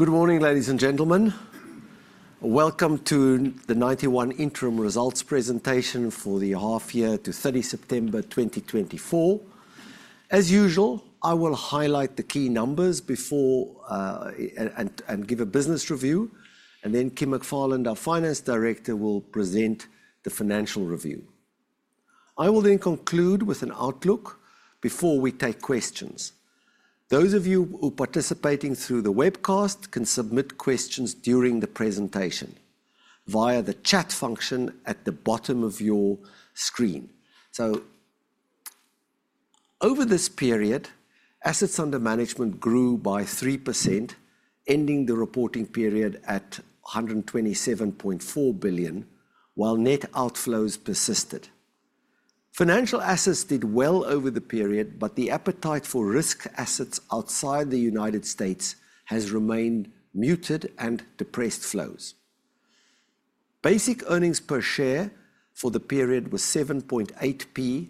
Good morning, ladies and gentlemen. Welcome to the Ninety One Interim Results Presentation for the half year to 30 September 2024. As usual, I will highlight the key numbers before and give a business review, and then Kim McFarland, our Finance Director, will present the financial review. I will then conclude with an outlook before we take questions. Those of you who are participating through the webcast can submit questions during the presentation via the chat function at the bottom of your screen. So, over this period, assets under management grew by 3%, ending the reporting period at $127.4 billion, while net outflows persisted. Financial assets did well over the period, but the appetite for risk assets outside the United States has remained muted and depressed flows. Basic earnings per share for the period was 7.8p,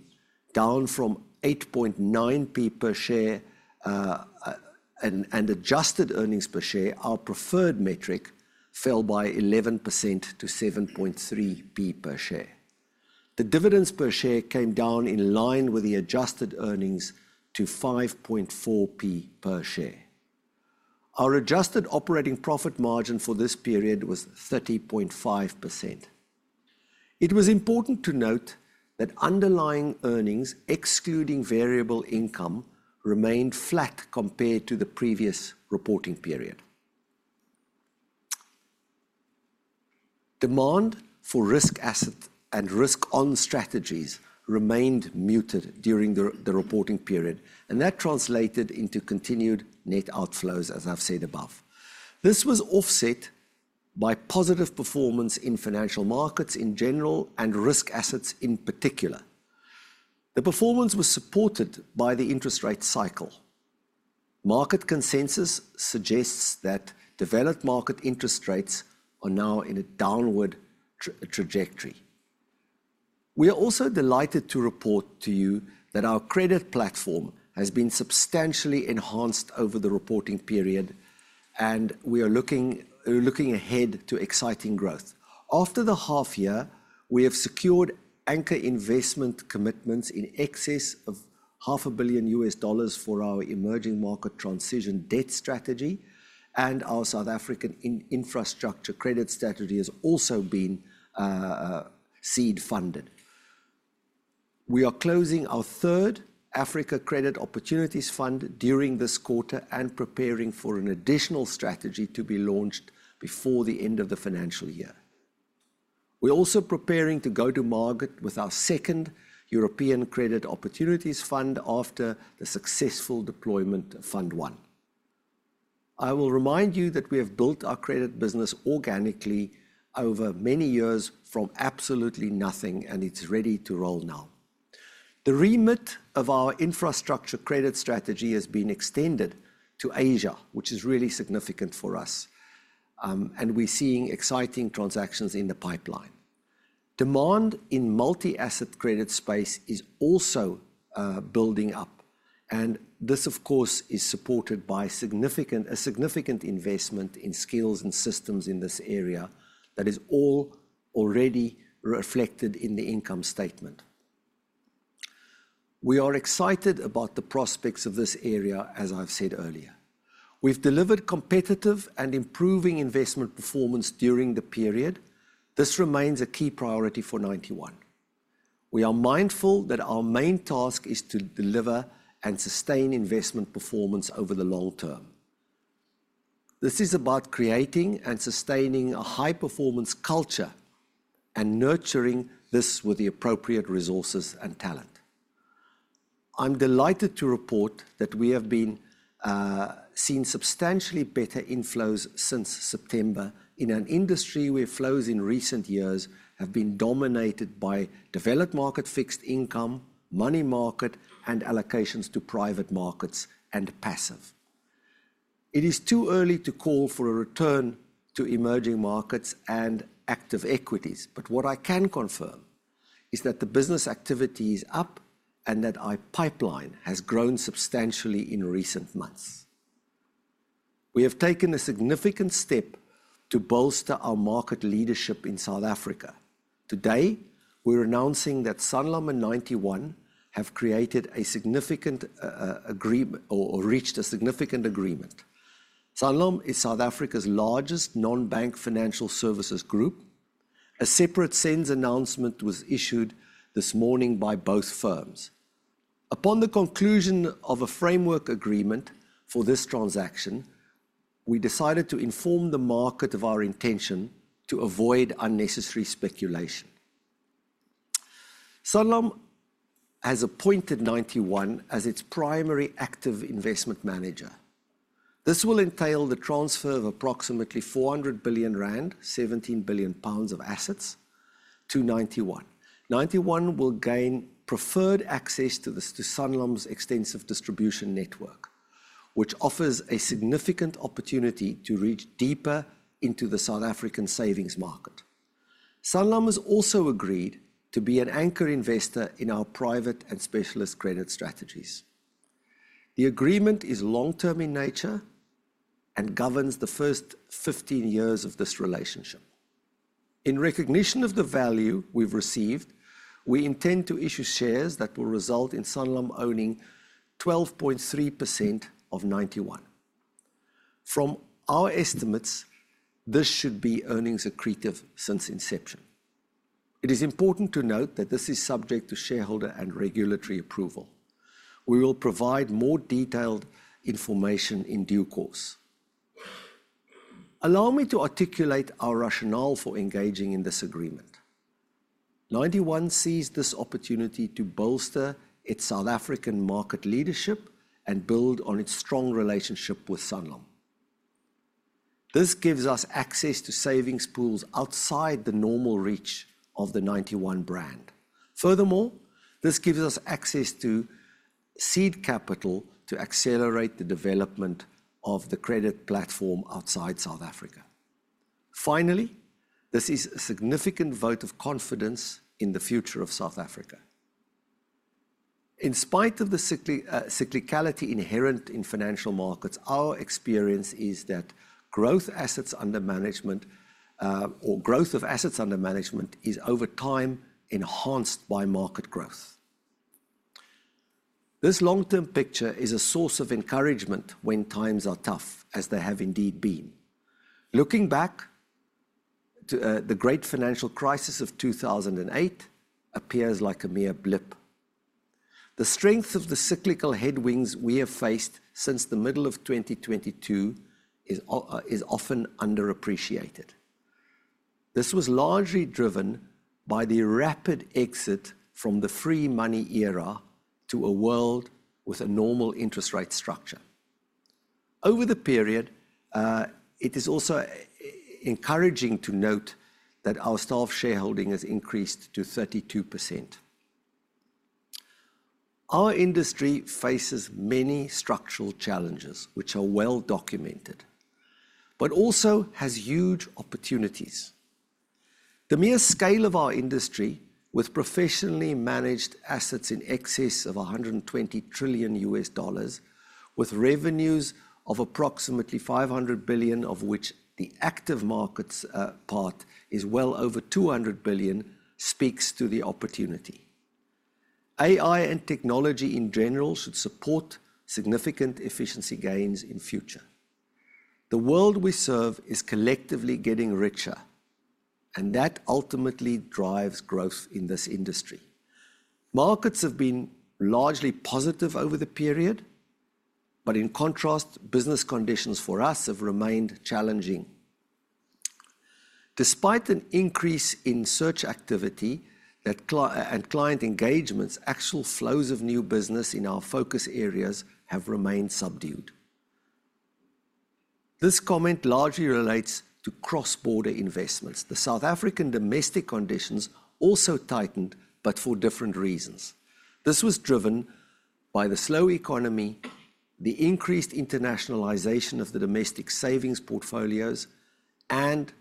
down from 8.9p per share, and adjusted earnings per share, our preferred metric, fell by 11% to 7.3p per share. The dividends per share came down in line with the adjusted earnings to 5.4p per share. Our adjusted operating profit margin for this period was 30.5%. It was important to note that underlying earnings, excluding variable income, remained flat compared to the previous reporting period. Demand for risk assets and risk-on strategies remained muted during the reporting period, and that translated into continued net outflows, as I've said above. This was offset by positive performance in financial markets in general and risk assets in particular. The performance was supported by the interest rate cycle. Market consensus suggests that developed market interest rates are now in a downward trajectory. We are also delighted to report to you that our credit platform has been substantially enhanced over the reporting period, and we are looking ahead to exciting growth. After the half year, we have secured anchor investment commitments in excess of $500 million for our emerging market transition debt strategy, and our South African infrastructure credit strategy has also been seed funded. We are closing our third Africa Credit Opportunities Fund during this quarter and preparing for an additional strategy to be launched before the end of the financial year. We're also preparing to go to market with our second European Credit Opportunities Fund after the successful deployment of Fund One. I will remind you that we have built our credit business organically over many years from absolutely nothing, and it's ready to roll now. The remit of our infrastructure credit strategy has been extended to Asia, which is really significant for us, and we're seeing exciting transactions in the pipeline. Demand in multi-asset credit space is also building up, and this, of course, is supported by a significant investment in skills and systems in this area that is all already reflected in the income statement. We are excited about the prospects of this area, as I've said earlier. We've delivered competitive and improving investment performance during the period. This remains a key priority for Ninety One. We are mindful that our main task is to deliver and sustain investment performance over the long term. This is about creating and sustaining a high-performance culture and nurturing this with the appropriate resources and talent. I'm delighted to report that we have seen substantially better inflows since September in an industry where flows in recent years have been dominated by developed market fixed income, money market, and allocations to private markets and passive. It is too early to call for a return to emerging markets and active equities, but what I can confirm is that the business activity is up and that our pipeline has grown substantially in recent months. We have taken a significant step to bolster our market leadership in South Africa. Today, we're announcing that Sanlam and Ninety One have created a significant agreement or reached a significant agreement. Sanlam is South Africa's largest non-bank financial services group. A separate SENS announcement was issued this morning by both firms. Upon the conclusion of a framework agreement for this transaction, we decided to inform the market of our intention to avoid unnecessary speculation. Sanlam has appointed Ninety One as its primary active investment manager. This will entail the transfer of approximately 400 billion rand, 17 billion pounds of assets, to Ninety One. Ninety One will gain preferred access to Sanlam's extensive distribution network, which offers a significant opportunity to reach deeper into the South African savings market. Sanlam has also agreed to be an anchor investor in our private and specialist credit strategies. The agreement is long-term in nature and governs the first 15 years of this relationship. In recognition of the value we've received, we intend to issue shares that will result in Sanlam owning 12.3% of Ninety One. From our estimates, this should be earnings accretive since inception. It is important to note that this is subject to shareholder and regulatory approval. We will provide more detailed information in due course. Allow me to articulate our rationale for engaging in this agreement. Ninety One sees this opportunity to bolster its South African market leadership and build on its strong relationship with Sanlam. This gives us access to savings pools outside the normal reach of the Ninety One brand. Furthermore, this gives us access to seed capital to accelerate the development of the credit platform outside South Africa. Finally, this is a significant vote of confidence in the future of South Africa. In spite of the cyclicality inherent in financial markets, our experience is that growth assets under management or growth of assets under management is over time enhanced by market growth. This long-term picture is a source of encouragement when times are tough, as they have indeed been. Looking back, the great financial crisis of 2008 appears like a mere blip. The strength of the cyclical headwinds we have faced since the middle of 2022 is often underappreciated. This was largely driven by the rapid exit from the free money era to a world with a normal interest rate structure. Over the period, it is also encouraging to note that our staff shareholding has increased to 32%. Our industry faces many structural challenges, which are well documented, but also has huge opportunities. The mere scale of our industry, with professionally managed assets in excess of $120 trillion, with revenues of approximately $500 billion, of which the active markets part is well over $200 billion, speaks to the opportunity. AI and technology in general should support significant efficiency gains in the future. The world we serve is collectively getting richer, and that ultimately drives growth in this industry. Markets have been largely positive over the period, but in contrast, business conditions for us have remained challenging. Despite an increase in search activity and client engagements, actual flows of new business in our focus areas have remained subdued. This comment largely relates to cross-border investments. The South African domestic conditions also tightened, but for different reasons. This was driven by the slow economy, the increased internationalization of the domestic savings portfolios, and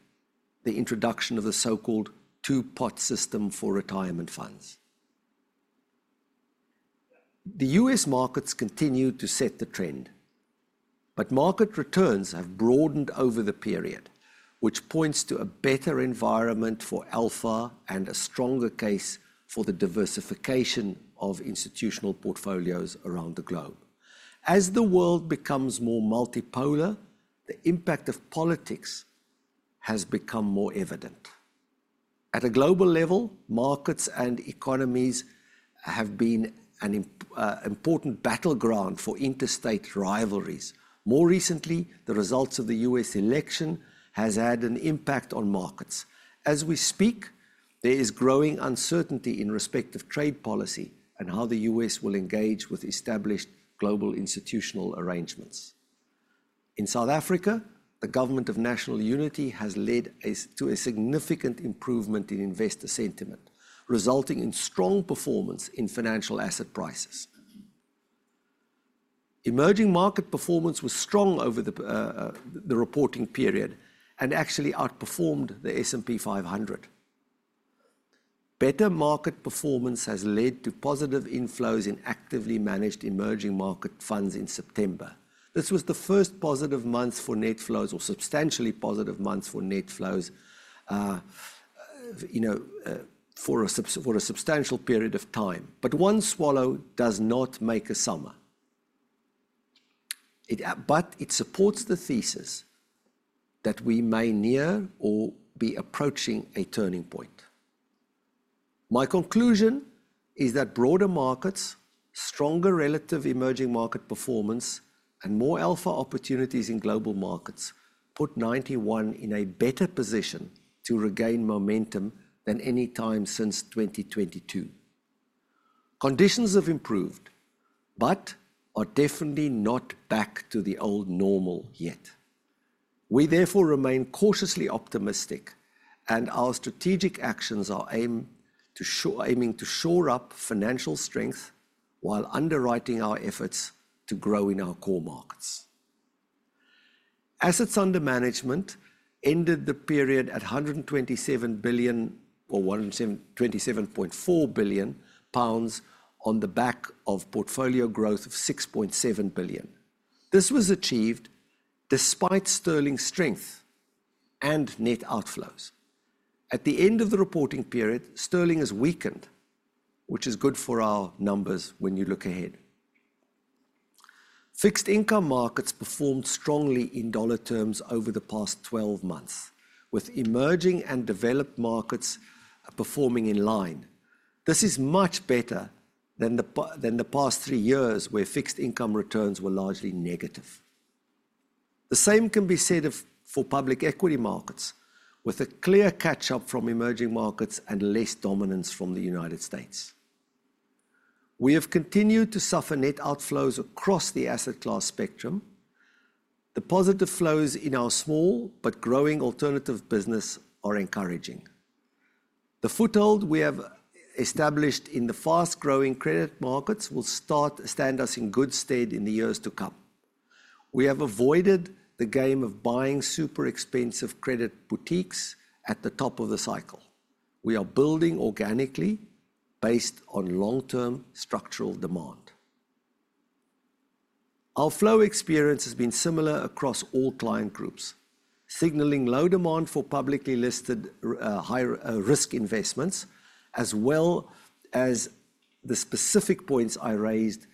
the introduction of the so-called Two-Pot System for retirement funds. The U.S. markets continue to set the trend, but market returns have broadened over the period, which points to a better environment for Alpha and a stronger case for the diversification of institutional portfolios around the globe. As the world becomes more multipolar, the impact of politics has become more evident. At a global level, markets and economies have been an important battleground for interstate rivalries. More recently, the results of the U.S. election have had an impact on markets. As we speak, there is growing uncertainty in respect of trade policy and how the U.S. will engage with established global institutional arrangements. In South Africa, the Government of National Unity has led to a significant improvement in investor sentiment, resulting in strong performance in financial asset prices. Emerging market performance was strong over the reporting period and actually outperformed the S&P 500. Better market performance has led to positive inflows in actively managed emerging market funds in September. This was the first positive month for net flows or substantially positive months for net flows for a substantial period of time. But one swallow does not make a summer. But it supports the thesis that we may near or be approaching a turning point. My conclusion is that broader markets, stronger relative emerging market performance, and more Alpha opportunities in global markets put Ninety One in a better position to regain momentum than any time since 2022. Conditions have improved, but are definitely not back to the old normal yet. We therefore remain cautiously optimistic, and our strategic actions are aiming to shore up financial strength while underwriting our efforts to grow in our core markets. Assets under management ended the period at 127 billion or 127.4 billion pounds on the back of portfolio growth of 6.7 billion. This was achieved despite sterling strength and net outflows. At the end of the reporting period, sterling has weakened, which is good for our numbers when you look ahead. Fixed income markets performed strongly in dollar terms over the past 12 months, with emerging and developed markets performing in line. This is much better than the past three years, where fixed income returns were largely negative. The same can be said for public equity markets, with a clear catch-up from emerging markets and less dominance from the United States. We have continued to suffer net outflows across the asset class spectrum. The positive flows in our small but growing alternative business are encouraging. The foothold we have established in the fast-growing credit markets will stand us in good stead in the years to come. We have avoided the game of buying super expensive credit boutiques at the top of the cycle. We are building organically based on long-term structural demand. Our flow experience has been similar across all client groups, signaling low demand for publicly listed high-risk investments, as well as the specific points I raised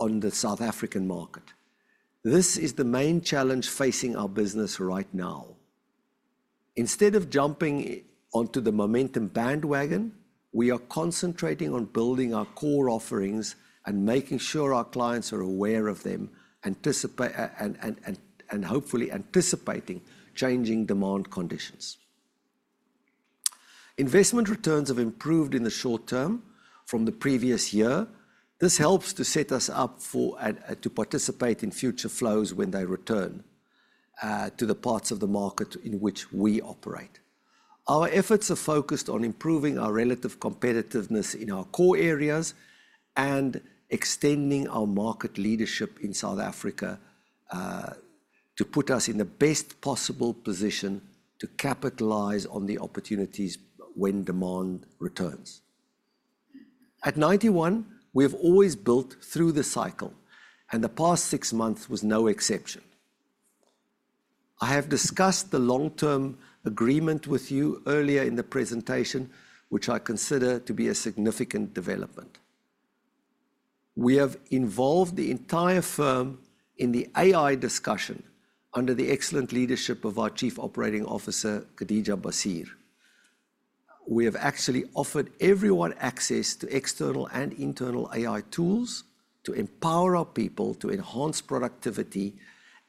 on the South African market. This is the main challenge facing our business right now. Instead of jumping onto the momentum bandwagon, we are concentrating on building our core offerings and making sure our clients are aware of them and hopefully anticipating changing demand conditions. Investment returns have improved in the short term from the previous year. This helps to set us up to participate in future flows when they return to the parts of the market in which we operate. Our efforts are focused on improving our relative competitiveness in our core areas and extending our market leadership in South Africa to put us in the best possible position to capitalize on the opportunities when demand returns. At Ninety One, we have always built through the cycle, and the past six months was no exception. I have discussed the long-term agreement with you earlier in the presentation, which I consider to be a significant development. We have involved the entire firm in the AI discussion under the excellent leadership of our Chief Operating Officer, Khadeeja Bassier. We have actually offered everyone access to external and internal AI tools to empower our people to enhance productivity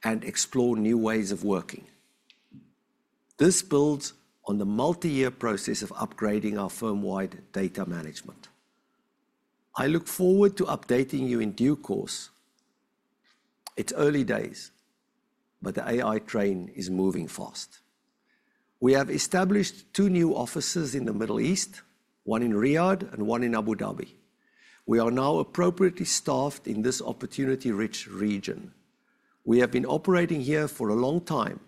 and explore new ways of working. This builds on the multi-year process of upgrading our firm-wide data management. I look forward to updating you in due course. It's early days, but the AI train is moving fast. We have established two new offices in the Middle East, one in Riyadh and one in Abu Dhabi. We are now appropriately staffed in this opportunity-rich region. We have been operating here for a long time,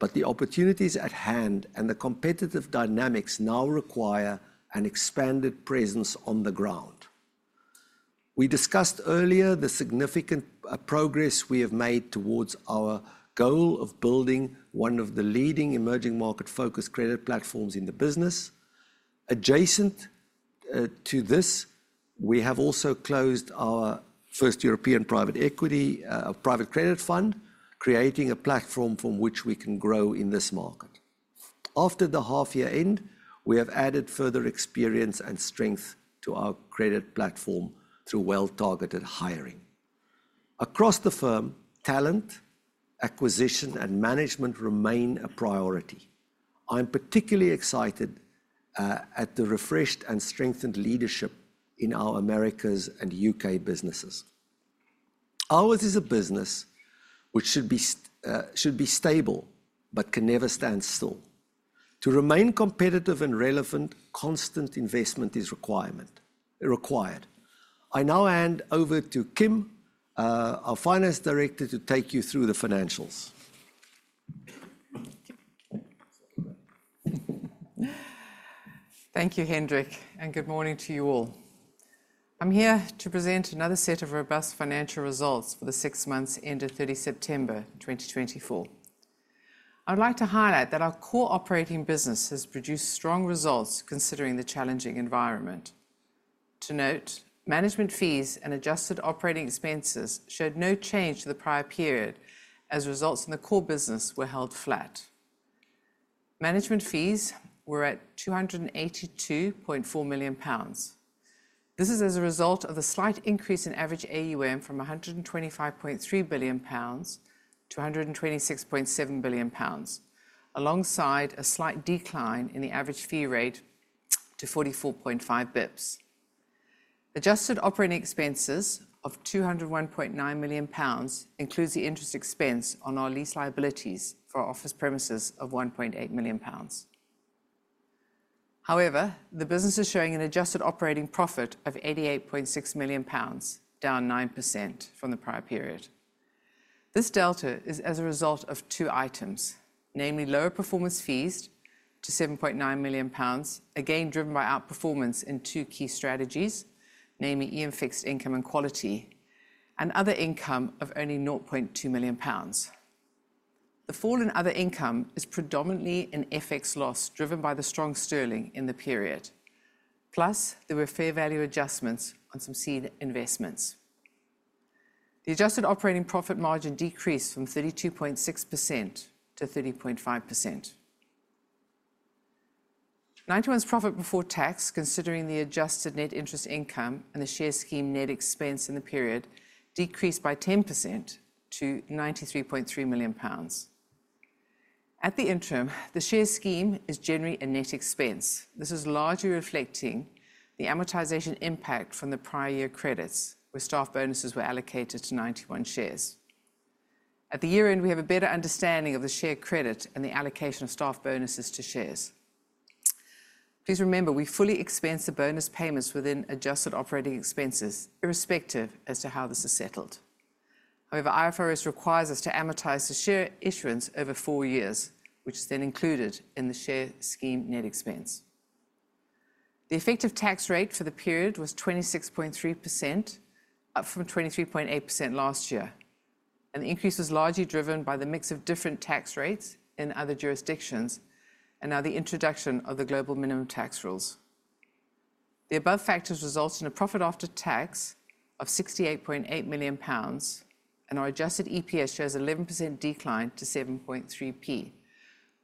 but the opportunities at hand and the competitive dynamics now require an expanded presence on the ground. We discussed earlier the significant progress we have made towards our goal of building one of the leading emerging market-focused credit platforms in the business. Adjacent to this, we have also closed our first European private equity private credit fund, creating a platform from which we can grow in this market. After the half-year end, we have added further experience and strength to our credit platform through well-targeted hiring. Across the firm, talent, acquisition, and management remain a priority. I'm particularly excited at the refreshed and strengthened leadership in our Americas and UK businesses. Ours is a business which should be stable but can never stand still. To remain competitive and relevant, constant investment is required. I now hand over to Kim, our Finance Director, to take you through the financials. Thank you, Hendrik, and good morning to you all. I'm here to present another set of robust financial results for the six months ended 30 September 2024. I'd like to highlight that our core operating business has produced strong results considering the challenging environment. To note, management fees and adjusted operating expenses showed no change to the prior period, as results in the core business were held flat. Management fees were at 282.4 million pounds. This is as a result of a slight increase in average AUM from 125.3 billion pounds to 126.7 billion pounds, alongside a slight decline in the average fee rate to 44.5 bips. Adjusted operating expenses of 201.9 million pounds includes the interest expense on our lease liabilities for office premises of 1.8 million pounds. However, the business is showing an adjusted operating profit of 88.6 million pounds, down 9% from the prior period. This delta is as a result of two items, namely lower performance fees to 7.9 million pounds, again driven by outperformance in two key strategies, namely EM fixed income and quality, and other income of only 0.2 million pounds. The fall in other income is predominantly an FX loss driven by the strong sterling in the period, plus there were fair value adjustments on some seed investments. The adjusted operating profit margin decreased from 32.6%-30.5%. Ninety One's profit before tax, considering the adjusted net interest income and the share scheme net expense in the period, decreased by 10% to 93.3 million pounds. At the interim, the share scheme is generally a net expense. This is largely reflecting the amortization impact from the prior year credits, where staff bonuses were allocated to Ninety One shares. At the year end, we have a better understanding of the share credit and the allocation of staff bonuses to shares. Please remember, we fully expense the bonus payments within adjusted operating expenses, irrespective as to how this is settled. However, IFRS requires us to amortize the share issuance over four years, which is then included in the share scheme net expense. The effective tax rate for the period was 26.3%, up from 23.8% last year. And the increase was largely driven by the mix of different tax rates in other jurisdictions and now the introduction of the global minimum tax rules. The above factors result in a profit after tax of 68.8 million pounds, and our adjusted EPS shows an 11% decline to 7.3p,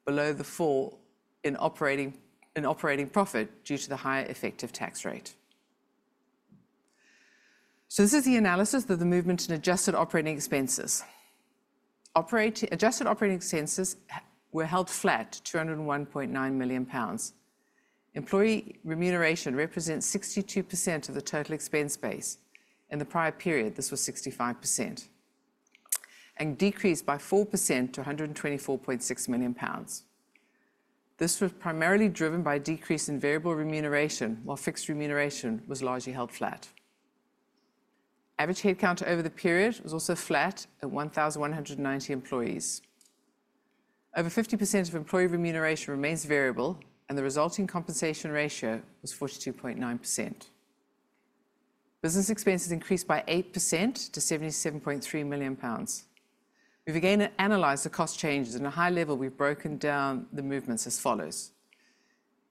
below the fall in operating profit due to the higher effective tax rate. So this is the analysis of the movement in adjusted operating expenses. Adjusted operating expenses were held flat to 201.9 million pounds. Employee remuneration represents 62% of the total expense base. In the prior period, this was 65% and decreased by 4% to 124.6 million pounds. This was primarily driven by a decrease in variable remuneration, while fixed remuneration was largely held flat. Average headcount over the period was also flat at 1,190 employees. Over 50% of employee remuneration remains variable, and the resulting compensation ratio was 42.9%. Business expenses increased by 8% to 77.3 million pounds. We've again analyzed the cost changes. At a high level, we've broken down the movements as follows: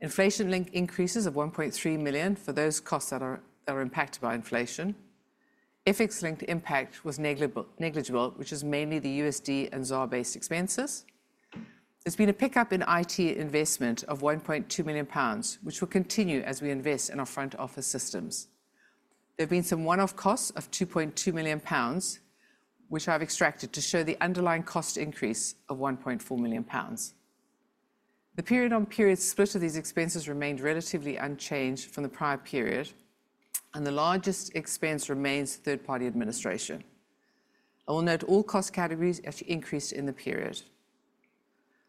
inflation-linked increases of 1.3 million for those costs that are impacted by inflation. FX-linked impact was negligible, which is mainly the USD and ZAR-based expenses. There's been a pickup in IT investment of 1.2 million pounds, which will continue as we invest in our front office systems. There have been some one-off costs of 2.2 million pounds, which I've extracted to show the underlying cost increase of 1.4 million pounds. The period-on-period split of these expenses remained relatively unchanged from the prior period, and the largest expense remains third-party administration. I will note all cost categories actually increased in the period.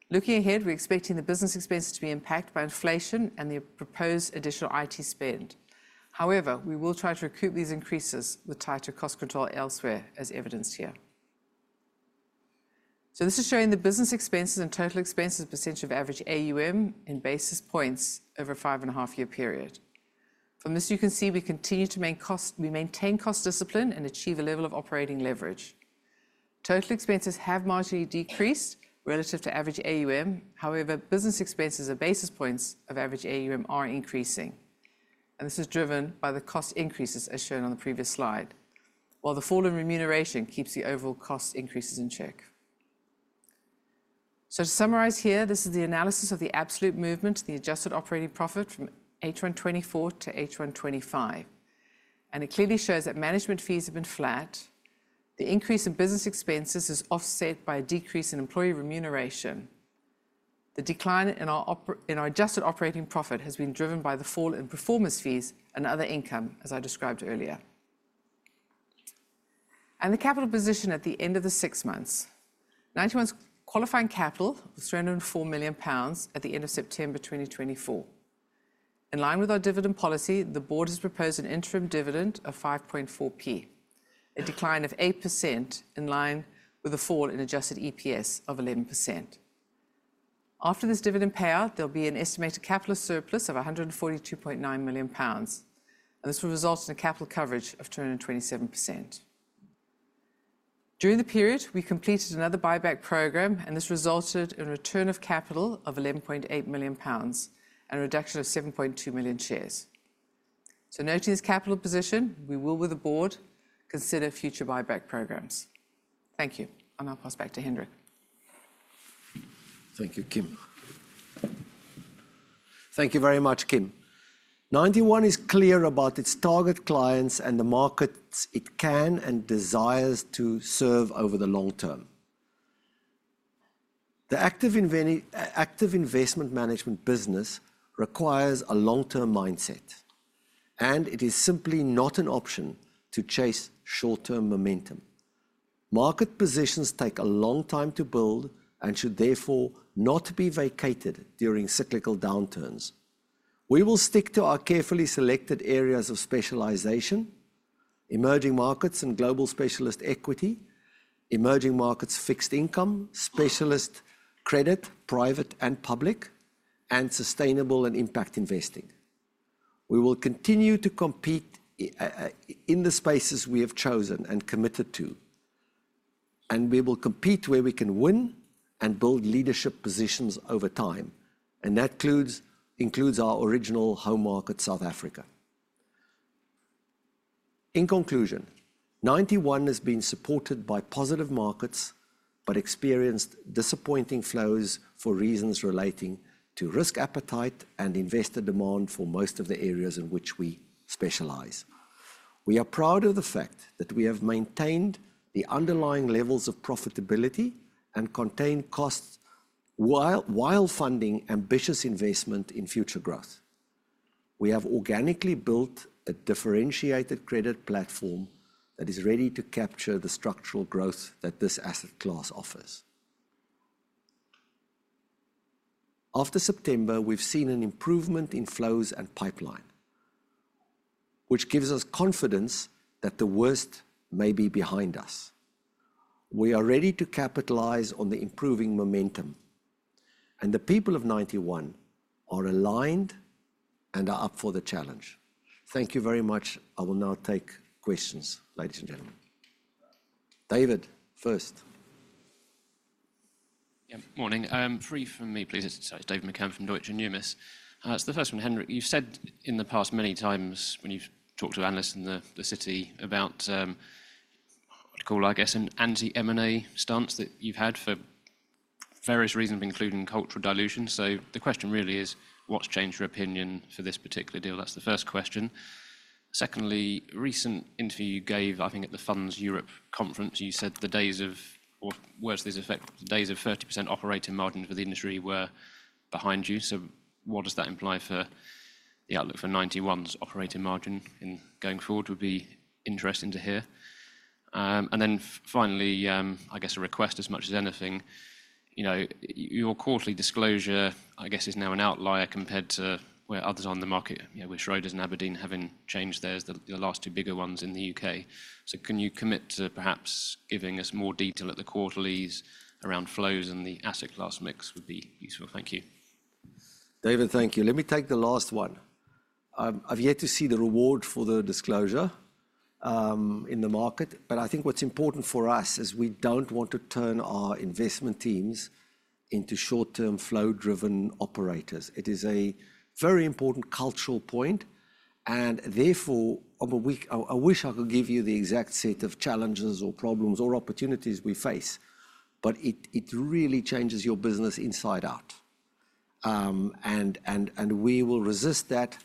Looking ahead, we're expecting the business expenses to be impacted by inflation and the proposed additional IT spend. However, we will try to recoup these increases with tighter cost control elsewhere, as evidenced here. So this is showing the business expenses and total expenses percentage of average AUM in basis points over a 5.5-year period. From this, you can see we continue to maintain cost discipline and achieve a level of operating leverage. Total expenses have marginally decreased relative to average AUM. However, business expenses and basis points of average AUM are increasing. This is driven by the cost increases, as shown on the previous slide, while the fall in remuneration keeps the overall cost increases in check. To summarize here, this is the analysis of the absolute movement in the adjusted operating profit from H124 to H125. It clearly shows that management fees have been flat. The increase in business expenses is offset by a decrease in employee remuneration. The decline in our adjusted operating profit has been driven by the fall in performance fees and other income, as I described earlier. The capital position at the end of the six months: Ninety One's qualifying capital was R 304 million at the end of September 2024. In line with our dividend policy, the board has proposed an interim dividend of 5.4p, a decline of 8% in line with the fall in adjusted EPS of 11%. After this dividend payout, there'll be an estimated capital surplus of 142.9 million pounds, and this will result in a capital coverage of 227%. During the period, we completed another buyback program, and this resulted in a return of capital of 11.8 million pounds and a reduction of 7.2 million shares. So noting this capital position, we will, with the board, consider future buyback programs. Thank you, and I'll pass back to Hendrik. Thank you, Kim. Thank you very much, Kim. Ninety One is clear about its target clients and the markets it can and desires to serve over the long term. The active investment management business requires a long-term mindset, and it is simply not an option to chase short-term momentum. Market positions take a long time to build and should therefore not be vacated during cyclical downturns. We will stick to our carefully selected areas of specialization: emerging markets and global specialist equity, emerging markets fixed income, specialist credit, private and public, and sustainable and impact investing. We will continue to compete in the spaces we have chosen and committed to, and we will compete where we can win and build leadership positions over time, and that includes our original home market, South Africa. In conclusion, Ninety One has been supported by positive markets but experienced disappointing flows for reasons relating to risk appetite and investor demand for most of the areas in which we specialize. We are proud of the fact that we have maintained the underlying levels of profitability and contained costs while funding ambitious investment in future growth. We have organically built a differentiated credit platform that is ready to capture the structural growth that this asset class offers. After September, we've seen an improvement in flows and pipeline, which gives us confidence that the worst may be behind us. We are ready to capitalize on the improving momentum, and the people of Ninety One are aligned and are up for the challenge. Thank you very much. I will now take questions, ladies and gentlemen. David, first. Yeah, morning. Three from me, please. It's David McCann from Deutsche Numis. So the first one, Hendrik, you've said in the past many times when you've talked to analysts in the city about, I'd call, I guess, an anti-M&A stance that you've had for various reasons, including cultural dilution. So the question really is, what's changed your opinion for this particular deal? That's the first question. Secondly, recent interview you gave, I think, at the Funds Europe Conference, you said the days of, or was the effect, the days of 30% operating margin for the industry were behind you. So what does that imply for the outlook for Ninety One's operating margin going forward? That would be interesting to hear. And then finally, I guess a request as much as anything, you know, your quarterly disclosure, I guess, is now an outlier compared to where others on the market, you know, with Schroders and Aberdeen having changed theirs, the last two bigger ones in the UK. So can you commit to perhaps giving us more detail at the quarterlies around flows and the asset class mix? That would be useful. Thank you. David, thank you. Let me take the last one. I've yet to see the reward for the disclosure in the market, but I think what's important for us is we don't want to turn our investment teams into short-term flow-driven operators. It is a very important cultural point, and therefore, I wish I could give you the exact set of challenges or problems or opportunities we face, but it really changes your business inside out, and we will resist that,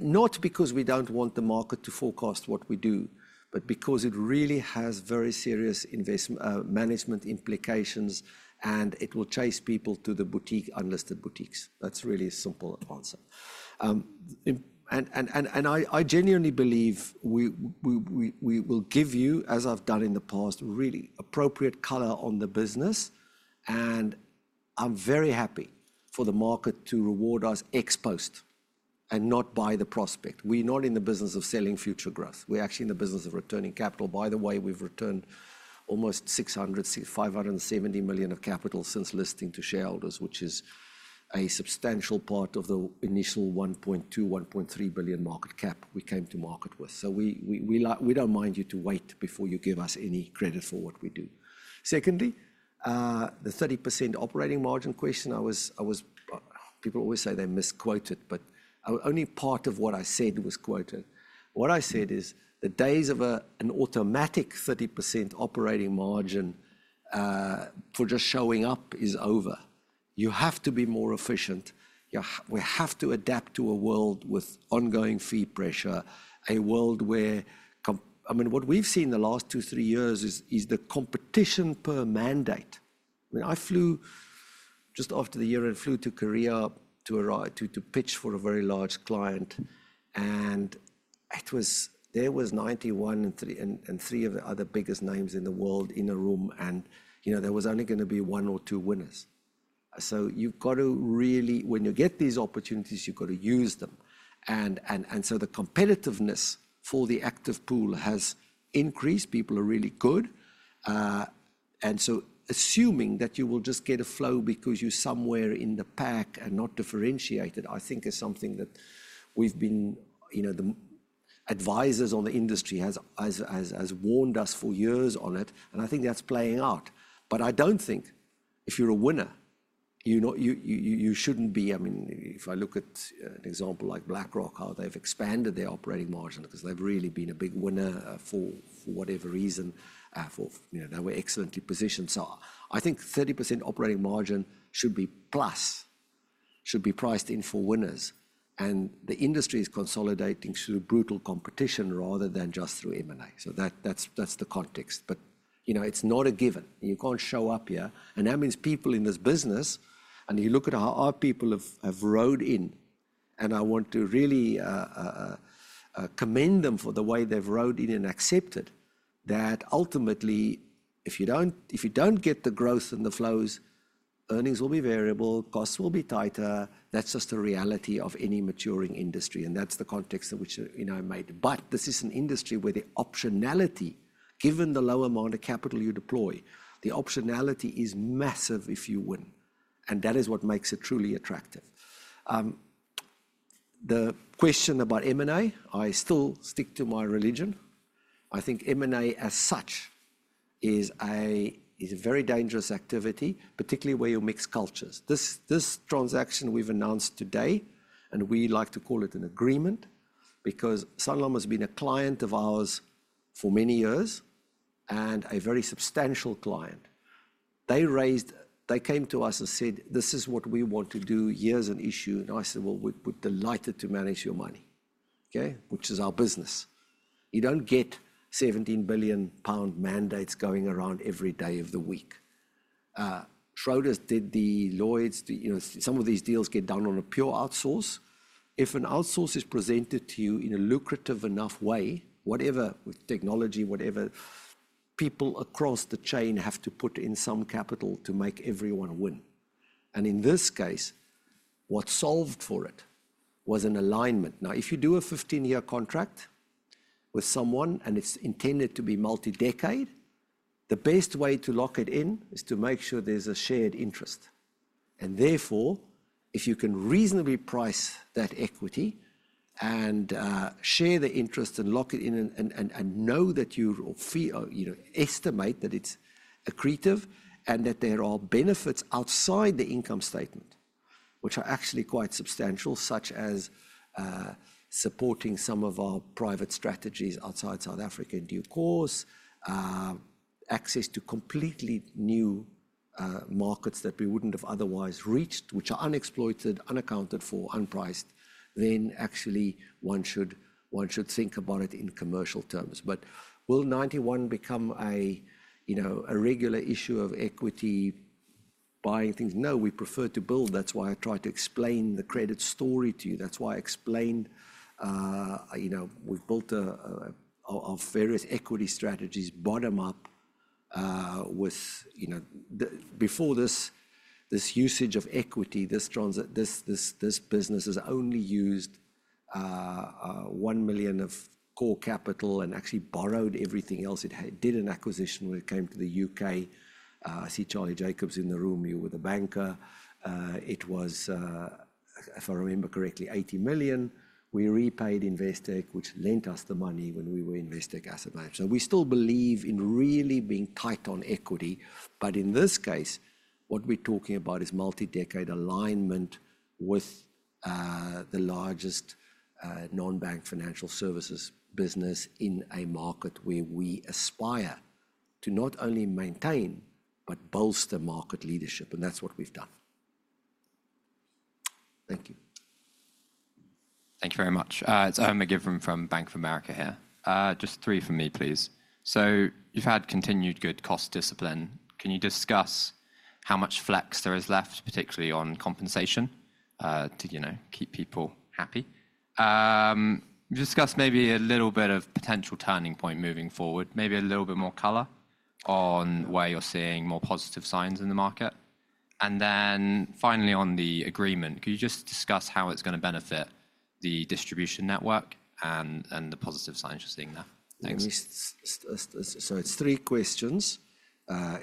not because we don't want the market to forecast what we do, but because it really has very serious investment management implications, and it will chase people to the boutique, unlisted boutiques. That's really a simple answer, and I genuinely believe we will give you, as I've done in the past, really appropriate color on the business, and I'm very happy for the market to reward us ex post and not by the prospect. We're not in the business of selling future growth. We're actually in the business of returning capital. By the way, we've returned almost 600 million, 570 million of capital since listing to shareholders, which is a substantial part of the initial 1.2-1.3 billion market cap we came to market with. So we don't mind you to wait before you give us any credit for what we do. Secondly, the 30% operating margin question, I was, people always say they misquoted, but only part of what I said was quoted. What I said is the days of an automatic 30% operating margin for just showing up is over. You have to be more efficient. We have to adapt to a world with ongoing fee pressure, a world where, I mean, what we've seen the last two, three years is the competition per mandate. I mean, I flew just after the year and flew to Korea to pitch for a very large client, and it was, there was Ninety One and three of the other biggest names in the world in a room, and you know, there was only going to be one or two winners. So you've got to really, when you get these opportunities, you've got to use them. And so the competitiveness for the active pool has increased. People are really good. And so assuming that you will just get a flow because you're somewhere in the pack and not differentiated, I think is something that we've been, you know, the advisors on the industry have warned us for years on it, and I think that's playing out. But I don't think if you're a winner, you shouldn't be. I mean, if I look at an example like BlackRock, how they've expanded their operating margin because they've really been a big winner for whatever reason, you know, they were excellently positioned. So I think 30% operating margin should be plus, should be priced in for winners, and the industry is consolidating through brutal competition rather than just through M&A. So that's the context. But, you know, it's not a given. You can't show up here, and that means people in this business, and you look at how our people have rode in, and I want to really commend them for the way they've rode in and accepted that ultimately, if you don't get the growth and the flows, earnings will be variable, costs will be tighter. That's just the reality of any maturing industry, and that's the context in which, you know, I made. But this is an industry where the optionality, given the lower amount of capital you deploy, the optionality is massive if you win, and that is what makes it truly attractive. The question about M&A, I still stick to my religion. I think M&A as such is a very dangerous activity, particularly where you mix cultures. This transaction we've announced today, and we like to call it an agreement because Sanlam has been a client of ours for many years and a very substantial client. They raised, they came to us and said, "This is what we want to do, here's an issue." And I said, "Well, we're delighted to manage your money," okay, "which is our business. You don't get 17 billion pound mandates going around every day of the week. Schroders did the Lloyds, you know, some of these deals get done on a pure outsource. If an outsource is presented to you in a lucrative enough way, whatever, with technology, whatever, people across the chain have to put in some capital to make everyone win. And in this case, what solved for it was an alignment. Now, if you do a 15-year contract with someone and it's intended to be multi-decade, the best way to lock it in is to make sure there's a shared interest. And therefore, if you can reasonably price that equity and share the interest and lock it in and know that you feel, you know, estimate that it's accretive and that there are benefits outside the income statement, which are actually quite substantial, such as supporting some of our private strategies outside South Africa in due course, access to completely new markets that we wouldn't have otherwise reached, which are unexploited, unaccounted for, unpriced, then actually one should think about it in commercial terms. But will Ninety One become a, you know, a regular issue of equity buying things? No, we prefer to build. That's why I try to explain the credit story to you. That's why I explain, you know, we've built our various equity strategies bottom up with, you know, before this, this usage of equity. This business has only used 1 million of core capital and actually borrowed everything else. It did an acquisition when it came to the UK. I see Charlie Jacobs in the room. You were the banker. It was, if I remember correctly, 80 million. We repaid Investec, which lent us the money when we were Investec asset managers. So we still believe in really being tight on equity, but in this case, what we're talking about is multi-decade alignment with the largest non-bank financial services business in a market where we aspire to not only maintain but bolster market leadership, and that's what we've done. Thank you. Thank you very much. It's Owen McGivern from Bank of America here. Just three from me, please. So you've had continued good cost discipline. Can you discuss how much flex there is left, particularly on compensation, to, you know, keep people happy? Discuss maybe a little bit of potential turning point moving forward, maybe a little bit more color on where you're seeing more positive signs in the market. And then finally on the agreement, could you just discuss how it's going to benefit the distribution network and the positive signs you're seeing there? Thanks. So it's three questions.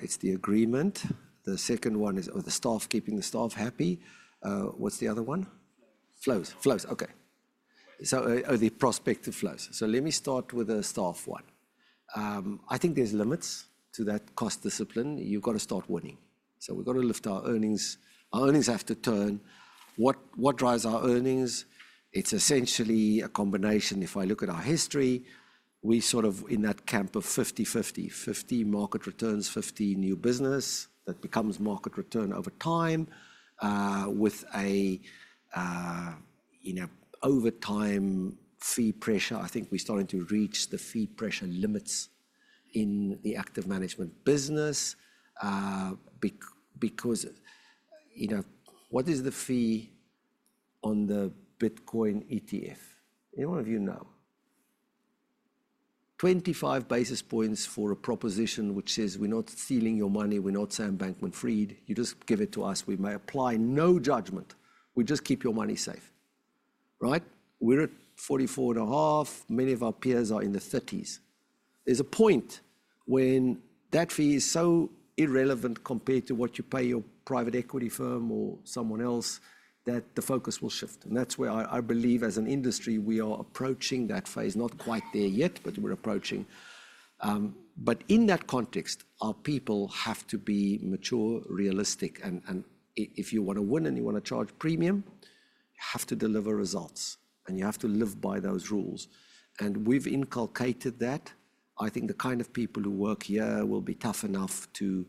It's the agreement. The second one is, or the staff, keeping the staff happy. What's the other one? Flows. Flows. Okay. So the prospective flows. So let me start with the staff one. I think there's limits to that cost discipline. You've got to start winning. So we've got to lift our earnings. Our earnings have to turn. What drives our earnings? It's essentially a combination. If I look at our history, we sort of in that camp of 50, 50, 50 market returns, 50 new business that becomes market return over time with a, you know, over time fee pressure. I think we're starting to reach the fee pressure limits in the active management business because, you know, what is the fee on the Bitcoin ETF? Anyone of you know? 25 basis points for a proposition which says, "We're not stealing your money. We're not Sam Bankman-Fried. You just give it to us. We may apply no judgment. We just keep your money safe." Right? We're at 44.5. Many of our peers are in the 30s. There's a point when that fee is so irrelevant compared to what you pay your private equity firm or someone else that the focus will shift, and that's where I believe as an industry we are approaching that phase. Not quite there yet, but we're approaching, but in that context, our people have to be mature, realistic, and if you want to win and you want to charge premium, you have to deliver results and you have to live by those rules, and we've inculcated that. I think the kind of people who work here will be tough enough to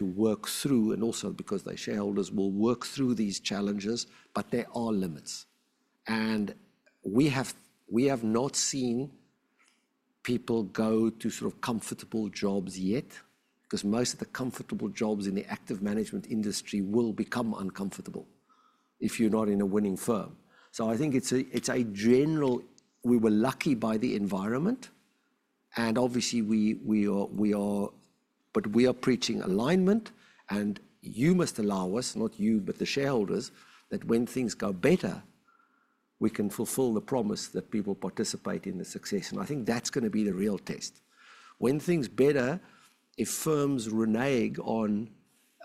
work through, and also because their shareholders will work through these challenges, but there are limits, and we have not seen people go to sort of comfortable jobs yet because most of the comfortable jobs in the active management industry will become uncomfortable if you're not in a winning firm. So, I think it's a general. We were lucky by the environment, and obviously we are, but we are preaching alignment, and you must allow us, not you, but the shareholders, that when things go better, we can fulfill the promise that people participate in the success. And I think that's going to be the real test. When things better, if firms renege on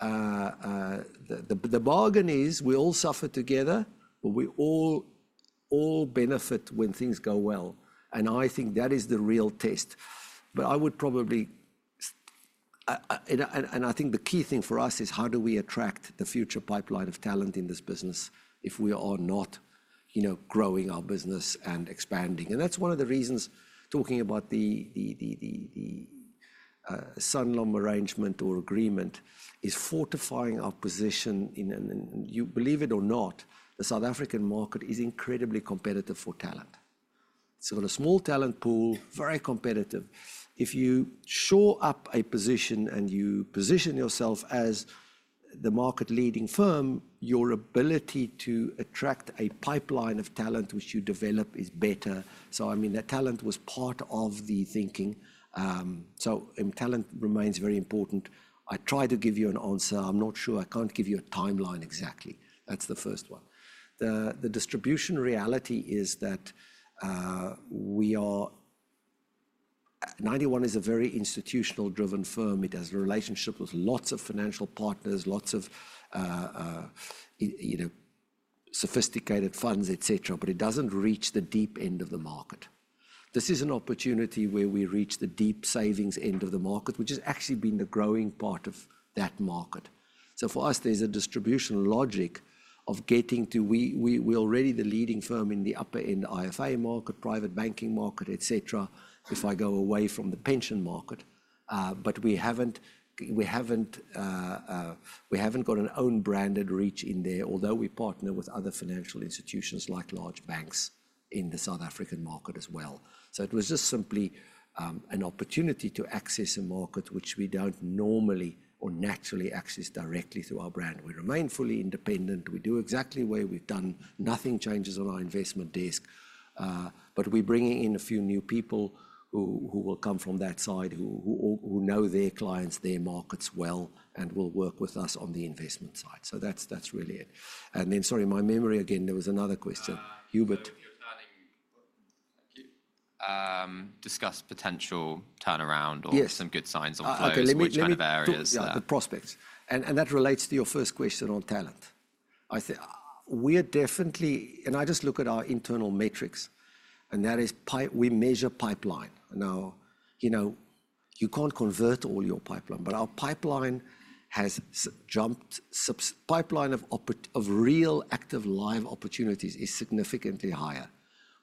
the bargain is we all suffer together, but we all benefit when things go well. And I think that is the real test. But I would probably, and I think the key thing for us is how do we attract the future pipeline of talent in this business if we are not, you know, growing our business and expanding. And that's one of the reasons talking about the Sanlam arrangement or agreement is fortifying our position in, and you believe it or not, the South African market is incredibly competitive for talent. It's got a small talent pool, very competitive. If you show up in a position and you position yourself as the market leading firm, your ability to attract a pipeline of talent which you develop is better. So, I mean, that talent was part of the thinking. So talent remains very important. I try to give you an answer. I'm not sure. I can't give you a timeline exactly. That's the first one. The distribution reality is that we are. Ninety One is a very institutional-driven firm. It has a relationship with lots of financial partners, lots of, you know, sophisticated funds, et cetera, but it doesn't reach the deep end of the market. This is an opportunity where we reach the deep savings end of the market, which has actually been the growing part of that market. So for us, there's a distribution logic of getting to, we're already the leading firm in the upper end IFA market, private banking market, et cetera, if I go away from the pension market. But we haven't got an own branded reach in there, although we partner with other financial institutions like large banks in the South African market as well. So it was just simply an opportunity to access a market which we don't normally or naturally access directly through our brand. We remain fully independent. We do exactly where we've done. Nothing changes on our investment desk, but we're bringing in a few new people who will come from that side who know their clients, their markets well, and will work with us on the investment side. So that's really it. And then, sorry, my memory again, there was another question. Hubert. Thank you. Discuss potential turnaround or some good signs on flows and kind of areas. The prospects. And that relates to your first question on talent. I think we're definitely, and I just look at our internal metrics, and that is we measure pipeline. Now, you know, you can't convert all your pipeline, but our pipeline has jumped. Pipeline of real active live opportunities is significantly higher.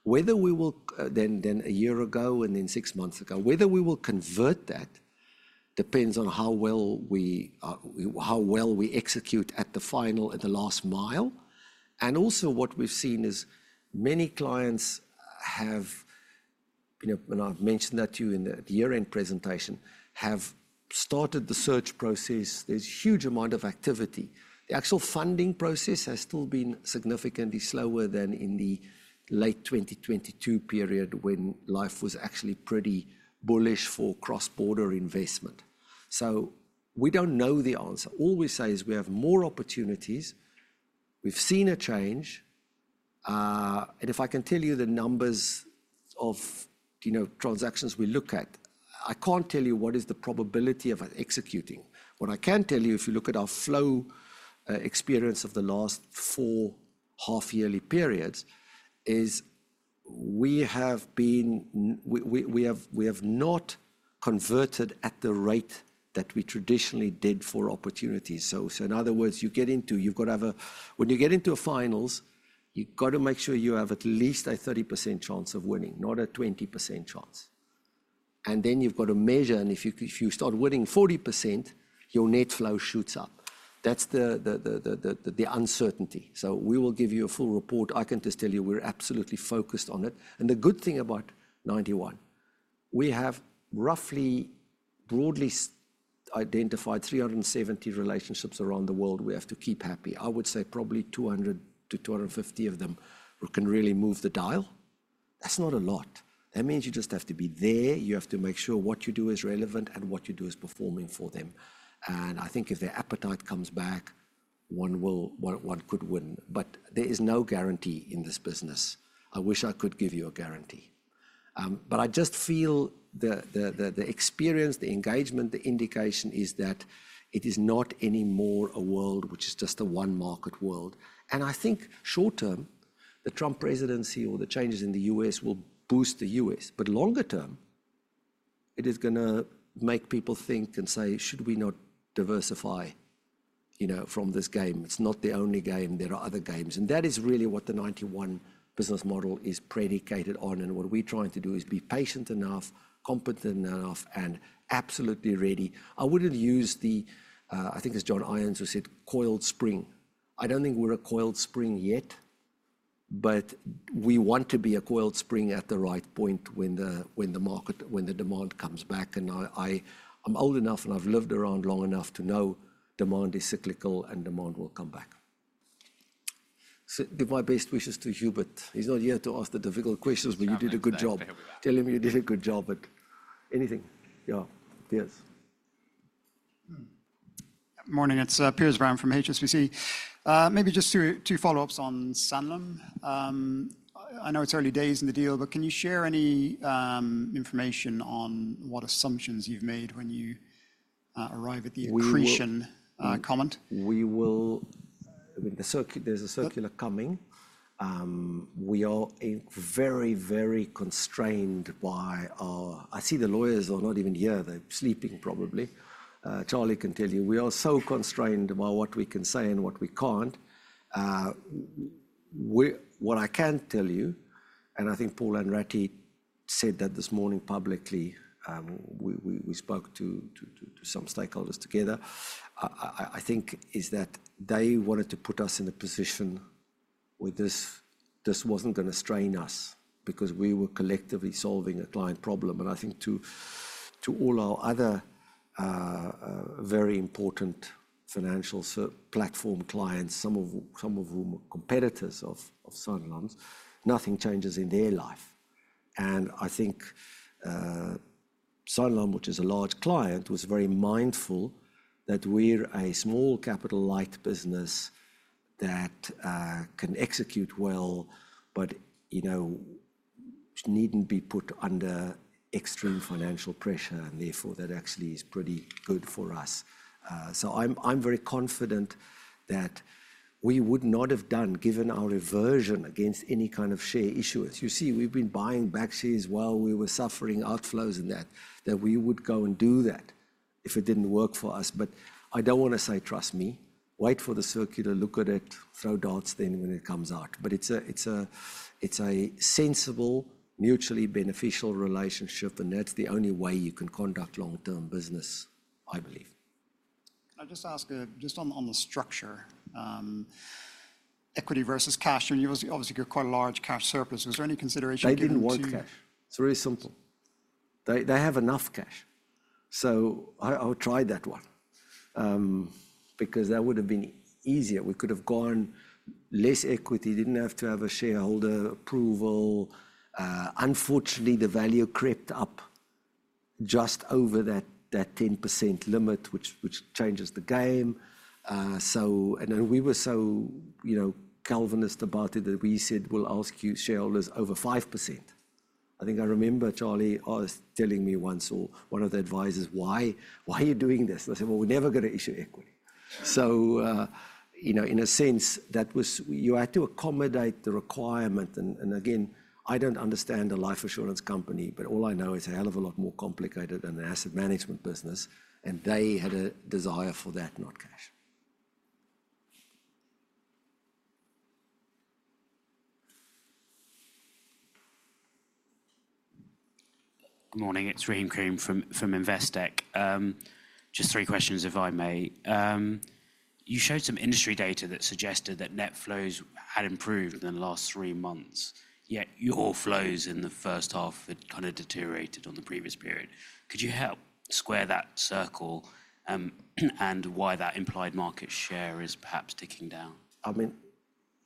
We have more than a year ago and then six months ago. Whether we will convert that depends on how well we execute at the final, at the last mile. And also what we've seen is many clients have, you know, and I've mentioned that to you in the year-end presentation, have started the search process. There's a huge amount of activity. The actual funding process has still been significantly slower than in the late 2022 period when life was actually pretty bullish for cross-border investment. So we don't know the answer. All we say is we have more opportunities. We've seen a change. And if I can tell you the numbers of, you know, transactions we look at, I can't tell you what is the probability of executing. What I can tell you, if you look at our flow experience of the last four half-yearly periods, is we have not converted at the rate that we traditionally did for opportunities. So in other words, when you get into finals, you've got to make sure you have at least a 30% chance of winning, not a 20% chance, and then you've got to measure, and if you start winning 40%, your net flow shoots up. That's the uncertainty, so we will give you a full report. I can just tell you we're absolutely focused on it, and the good thing about Ninety One is we have roughly broadly identified 370 relationships around the world we have to keep happy. I would say probably 200-250 of them can really move the dial. That's not a lot. That means you just have to be there. You have to make sure what you do is relevant and what you do is performing for them. And I think if their appetite comes back, one will, one could win. But there is no guarantee in this business. I wish I could give you a guarantee. But I just feel the experience, the engagement, the indication is that it is not anymore a world which is just a one-market world. And I think short-term, the Trump presidency or the changes in the U.S. will boost the U.S. But longer-term, it is going to make people think and say, "Should we not diversify, you know, from this game?" It's not the only game. There are other games. And that is really what the Ninety One business model is predicated on. And what we're trying to do is be patient enough, competent enough, and absolutely ready. I wouldn't use the, I think it's John Ions who said, "Coiled spring." I don't think we're a coiled spring yet, but we want to be a coiled spring at the right point when the market, when the demand comes back. And I'm old enough and I've lived around long enough to know demand is cyclical and demand will come back. So my best wishes to Hubert. He's not here to ask the difficult questions, but you did a good job. Tell him you did a good job at anything. Yeah. Yes. Morning. It's Piers Brown from HSBC. Maybe just two follow-ups on Sanlam. I know it's early days in the deal, but can you share any information on what assumptions you've made when you arrive at the accretion comment? We will. There's a circular coming. We are very, very constrained by our. I see the lawyers are not even here. They're sleeping probably. Charlie can tell you. We are so constrained by what we can say and what we can't. What I can tell you, and I think Paul Hanratty said that this morning publicly, we spoke to some stakeholders together, I think is that they wanted to put us in a position where this wasn't going to strain us because we were collectively solving a client problem. To all our other very important financial platform clients, some of whom are competitors of Sanlam, nothing changes in their life. Sanlam, which is a large client, was very mindful that we're a small capital light business that can execute well, but, you know, needn't be put under extreme financial pressure. Therefore, that actually is pretty good for us. So I'm very confident that we would not have done, given our aversion against any kind of share issuance. You see, we've been buying back shares while we were suffering outflows and that we would go and do that if it didn't work for us. But I don't want to say, "Trust me. Wait for the circular, look at it, throw darts then when it comes out." But it's a sensible, mutually beneficial relationship, and that's the only way you can conduct long-term business, I believe. I'll just ask on the structure, equity versus cash. You obviously got quite a large cash surplus. Was there any consideration for equity? They didn't want cash. It's very simple. They have enough cash. So I would try that one because that would have been easier. We could have gone less equity, didn't have to have a shareholder approval. Unfortunately, the value crept up just over that 10% limit, which changes the game. So, and then we were so, you know, Calvinist about it that we said, "We'll ask you shareholders over 5%." I think I remember Charlie telling me once or one of the advisors, "Why are you doing this?" I said, "Well, we're never going to issue equity." So, you know, in a sense, that was, you had to accommodate the requirement. And again, I don't understand a life assurance company, but all I know is a hell of a lot more complicated than an asset management business. And they had a desire for that, not cash. Good morning. It's Rahim Karim from Investec. Just three questions, if I may. You showed some industry data that suggested that net flows had improved in the last three months, yet your flows in the H1 had kind of deteriorated on the previous period. Could you help square that circle and why that implied market share is perhaps ticking down? I mean,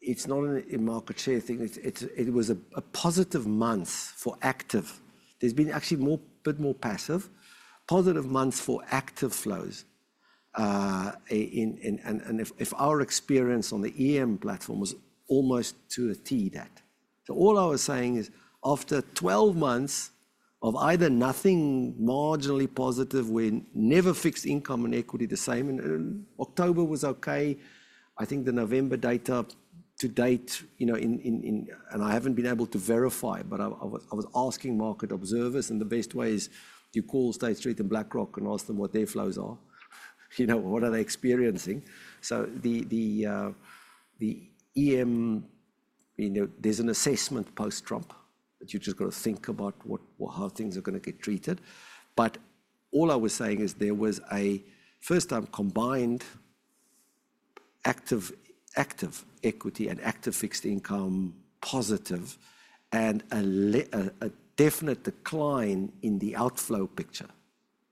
it's not a market share thing. It was a positive month for active. There's been actually a bit more passive. Positive months for active flows. And if our experience on the EM platform was almost to a T that. So all I was saying is after 12 months of either nothing marginally positive, we never fixed income and equity the same. And October was okay. I think the November data to date, you know, and I haven't been able to verify, but I was asking market observers, and the best way is you call State Street and BlackRock and ask them what their flows are, you know, what are they experiencing. So the EM, you know, there's an assessment post-Trump that you've just got to think about how things are going to get treated. But all I was saying is there was a first-time combined active equity and active fixed income positive and a definite decline in the outflow picture.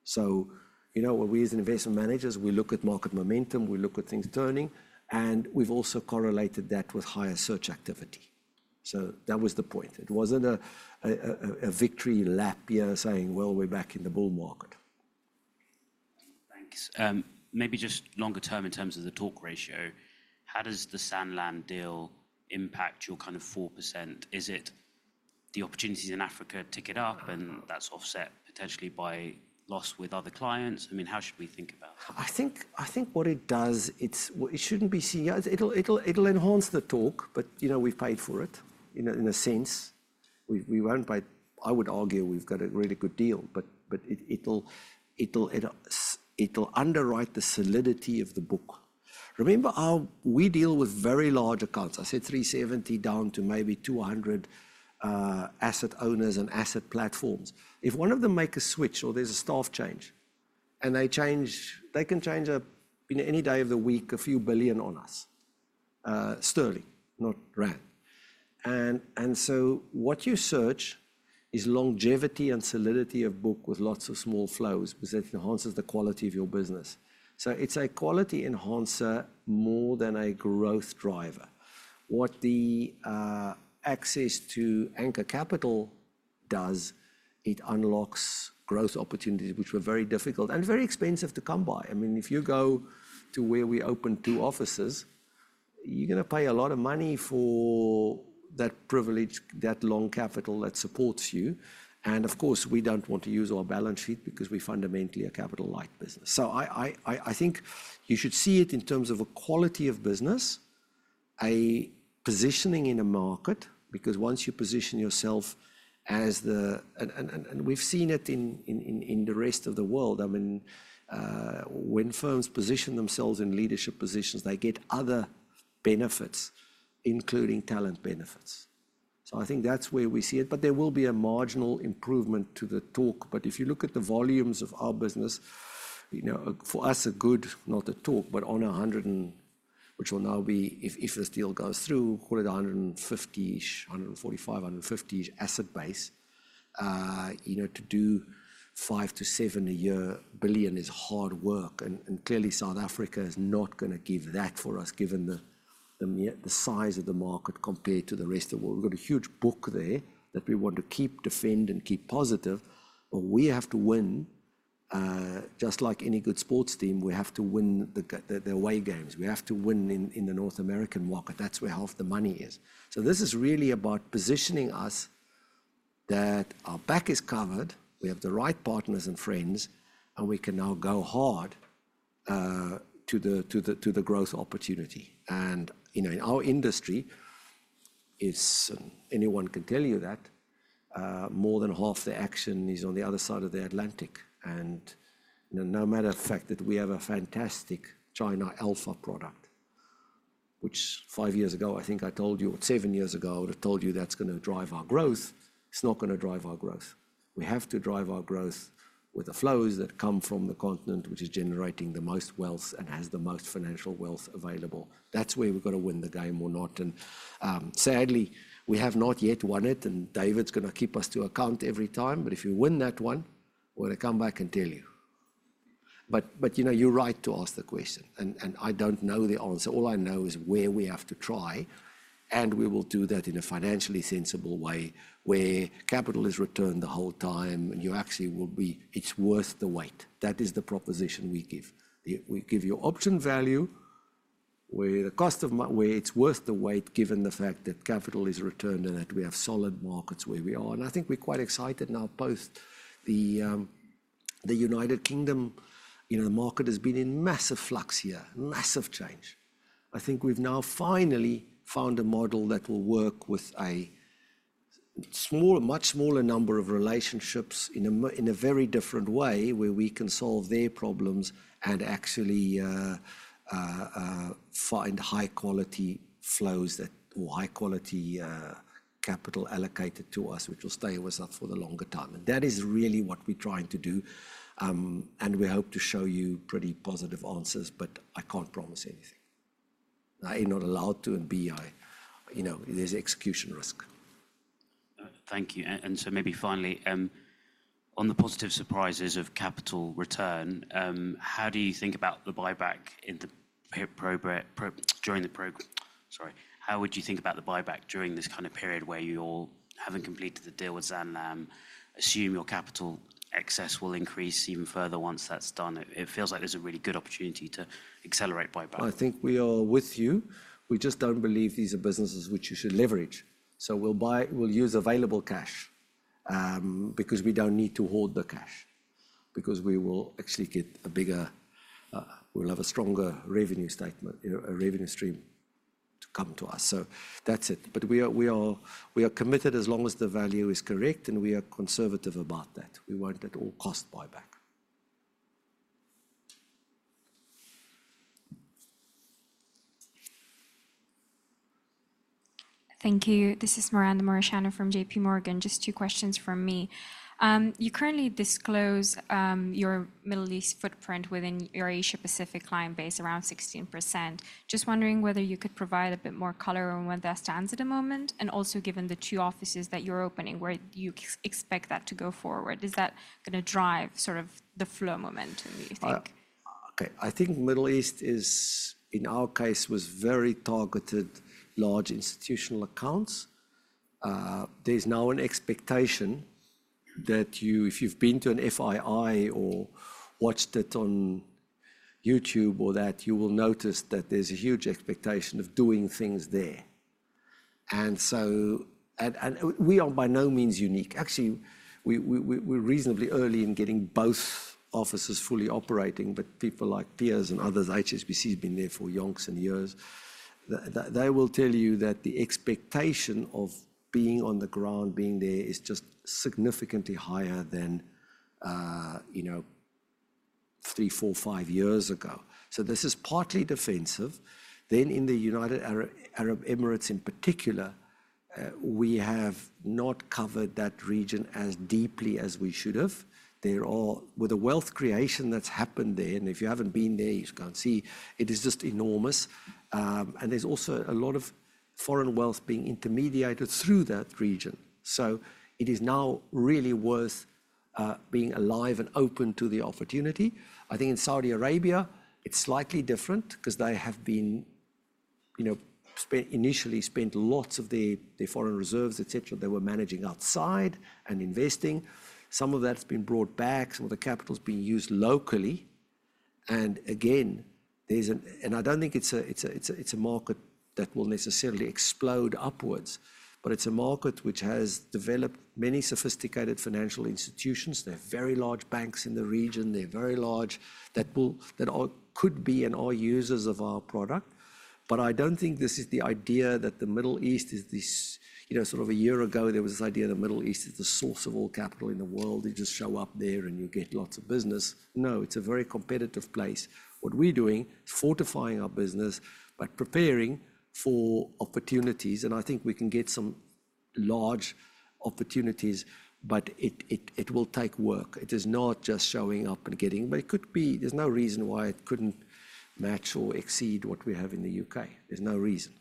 So, you know, where we as investment managers, we look at market momentum, we look at things turning, and we've also correlated that with higher search activity. So that was the point. It wasn't a victory lap here saying, "Well, we're back in the bull market." Maybe just longer-term in terms of the torque ratio, how does the Sanlam deal impact your kind of 4%? Is it the opportunities in Africa tick it up and that's offset potentially by loss with other clients? I mean, how should we think about it? I think what it does, it shouldn't be senior. It'll enhance the torque, but, you know, we've paid for it in a sense. We won't, but I would argue we've got a really good deal, but it'll underwrite the solidity of the book. Remember how we deal with very large accounts? I said 370 down to maybe 200 asset owners and asset platforms. If one of them makes a switch or there's a staff change and they change, they can change, in any day of the week, a few billion on us, sterling, not rand. What you search is longevity and solidity of book with lots of small flows because that enhances the quality of your business. So it's a quality enhancer more than a growth driver. What the access to anchor capital does, it unlocks growth opportunities, which were very difficult and very expensive to come by. I mean, if you go to where we open two offices, you're going to pay a lot of money for that privilege, that long capital that supports you. And of course, we don't want to use our balance sheet because we fundamentally are a capital light business. So I think you should see it in terms of a quality of business, a positioning in a market, because once you position yourself as the, and we've seen it in the rest of the world, I mean, when firms position themselves in leadership positions, they get other benefits, including talent benefits. So I think that's where we see it. But there will be a marginal improvement to the torque. But if you look at the volumes of our business, you know, for us, a good, not a torque, but on a hundred and, which will now be, if this deal goes through, call it 150-ish, 145, 150-ish asset base, you know, to do 5 billion-7 billion a year is hard work. And clearly, South Africa is not going to give that for us, given the size of the market compared to the rest of the world. We've got a huge book there that we want to keep, defend, and keep positive. But we have to win, just like any good sports team, we have to win the away games. We have to win in the North American market. That's where half the money is. So this is really about positioning us that our back is covered, we have the right partners and friends, and we can now go hard to the growth opportunity. And, you know, in our industry, anyone can tell you that more than half the action is on the other side of the Atlantic. And no matter the fact that we have a fantastic China Alpha product, which five years ago, I think I told you, or seven years ago, I would have told you that's going to drive our growth. It's not going to drive our growth. We have to drive our growth with the flows that come from the continent, which is generating the most wealth and has the most financial wealth available. That's where we've got to win the game or not. And David's going to keep us to account every time. But if you win that one, we're going to come back and tell you. But, you know, you're right to ask the question. And I don't know the answer. All I know is where we have to try. And we will do that in a financially sensible way where capital is returned the whole time. And you actually will be, it's worth the weight. That is the proposition we give. We give you option value where the cost of, where it's worth the wait, given the fact that capital is returned and that we have solid markets where we are. And I think we're quite excited now. Both the United Kingdom, you know, the market has been in massive flux here, massive change. I think we've now finally found a model that will work with a small, much smaller number of relationships in a very different way where we can solve their problems and actually find high-quality flows that, or high-quality capital allocated to us, which will stay with us for the longer time. And that is really what we're trying to do. And we hope to show you pretty positive answers, but I can't promise anything. I'm not allowed to and be, you know, there's execution risk. Thank you. And so maybe finally, on the positive surprises of capital return, how do you think about the buyback in the program during the program? Sorry. How would you think about the buyback during this kind of period where you all haven't completed the deal with Sanlam, assume your capital excess will increase even further once that's done? It feels like there's a really good opportunity to accelerate buyback. I think we are with you. We just don't believe these are businesses which you should leverage. So we'll buy, we'll use available cash because we don't need to hold the cash because we will actually get a bigger, we'll have a stronger revenue statement, a revenue stream to come to us. So that's it. But we are committed as long as the value is correct and we are conservative about that. We want at all cost buyback. Thank you. This is Miranda Morishana from JPMorgan. Just two questions from me. You currently disclose your Middle East footprint within your Asia-Pacific client base, around 16%. Just wondering whether you could provide a bit more color on where that stands at the moment and also given the two offices that you're opening, where you expect that to go forward, is that going to drive sort of the flow momentum, do you think? Okay. I think Middle East is, in our case, was very targeted large institutional accounts. There's now an expectation that you, if you've been to an FII or watched it on YouTube or that, you will notice that there's a huge expectation of doing things there. And so, and we are by no means unique. Actually, we're reasonably early in getting both offices fully operating, but people like Piers and others, HSBC has been there for yonks and years. They will tell you that the expectation of being on the ground, being there is just significantly higher than, you know, three, four, five years ago. So this is partly defensive. Then in the United Arab Emirates in particular, we have not covered that region as deeply as we should have. They're all, with the wealth creation that's happened there, and if you haven't been there, you can see it is just enormous. And there's also a lot of foreign wealth being intermediated through that region. So it is now really worth being alive and open to the opportunity. I think in Saudi Arabia, it's slightly different because they have been, you know, initially spent lots of their foreign reserves, et cetera, they were managing outside and investing. Some of that's been brought back, some of the capital's been used locally. And again, there's, and I don't think it's a market that will necessarily explode upwards, but it's a market which has developed many sophisticated financial institutions. They're very large banks in the region. They're very large that could be and are users of our product. But I don't think this is the idea that the Middle East is this, you know, sort of a year ago, there was this idea that the Middle East is the source of all capital in the world. You just show up there and you get lots of business. No, it's a very competitive place. What we're doing is fortifying our business, but preparing for opportunities. I think we can get some large opportunities, but it will take work. It is not just showing up and getting, but it could be. There's no reason why it couldn't match or exceed what we have in the UK. There's no reason.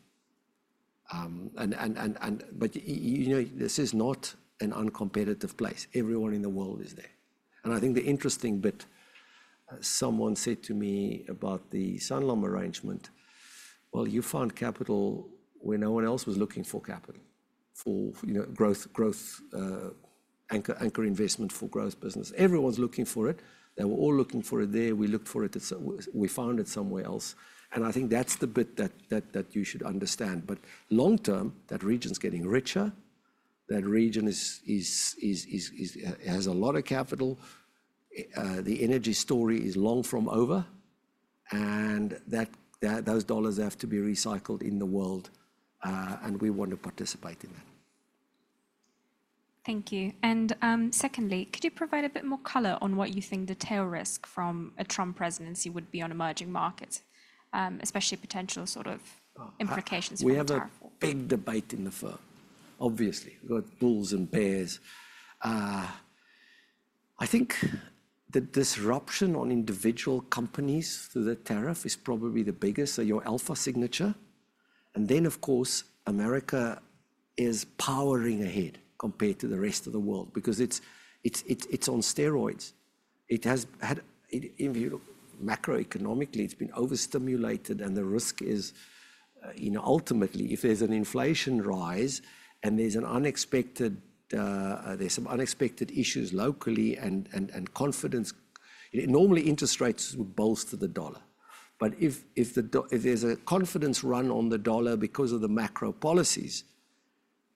But you know, this is not an uncompetitive place. Everyone in the world is there. I think the interesting bit, someone said to me about the Sanlam arrangement, well, you found capital where no one else was looking for capital, for, you know, growth, anchor investment for growth business. Everyone's looking for it. They were all looking for it there. We looked for it, we found it somewhere else. I think that's the bit that you should understand. Long term, that region's getting richer. That region has a lot of capital. The energy story is far from over. And those dollars have to be recycled in the world. And we want to participate in that. Thank you. And secondly, could you provide a bit more color on what you think the tail risk from a Trump presidency would be on emerging markets, especially potential sort of implications for the tariff war? We have a big debate in the firm, obviously. We've got bulls and bears. I think the disruption on individual companies through the tariff is probably the biggest. So your Alpha signature. And then, of course, America is powering ahead compared to the rest of the world because it's on steroids. It has had, if you look macroeconomically, it's been overstimulated and the risk is, you know, ultimately, if there's an inflation rise and there's some unexpected issues locally and confidence, normally interest rates would bolster the dollar. But if there's a confidence run on the dollar because of the macro policies,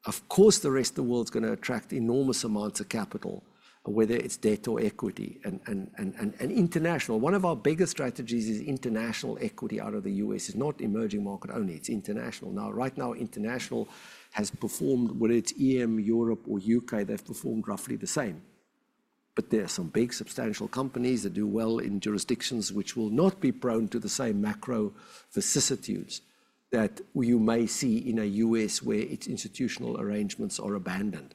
of course, the rest of the world's going to attract enormous amounts of capital, whether it's debt or equity and international. One of our biggest strategies is international equity out of the U.S. It's not emerging market only. It's international. Now, right now, international has performed with its EM, Europe, or U.K. They've performed roughly the same. But there are some big substantial companies that do well in jurisdictions which will not be prone to the same macro vicissitudes that you may see in a U.S. where its institutional arrangements are abandoned.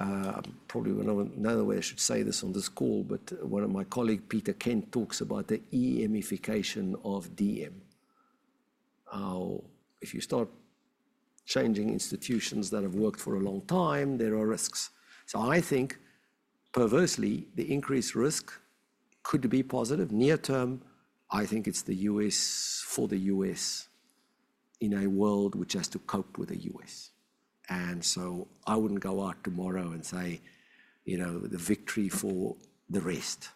Now, probably another way I should say this on this call, but one of my colleagues, Peter Kent, talks about the EMification of DM. If you start changing institutions that have worked for a long time, there are risks. So I think, perversely, the increased risk could be positive. Near term, I think it's the U.S. for the U.S. in a world which has to cope with the U.S. And so I wouldn't go out tomorrow and say, you know, the victory for the rest.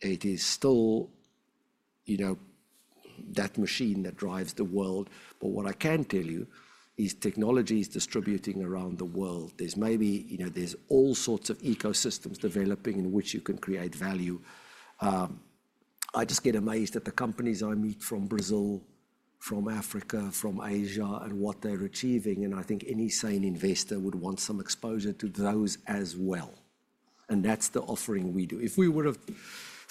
It is still, you know, that machine that drives the world. But what I can tell you is technology is distributing around the world. There's maybe, you know, there's all sorts of ecosystems developing in which you can create value. I just get amazed at the companies I meet from Brazil, from Africa, from Asia, and what they're achieving. I think any sane investor would want some exposure to those as well. And that's the offering we do. If we were a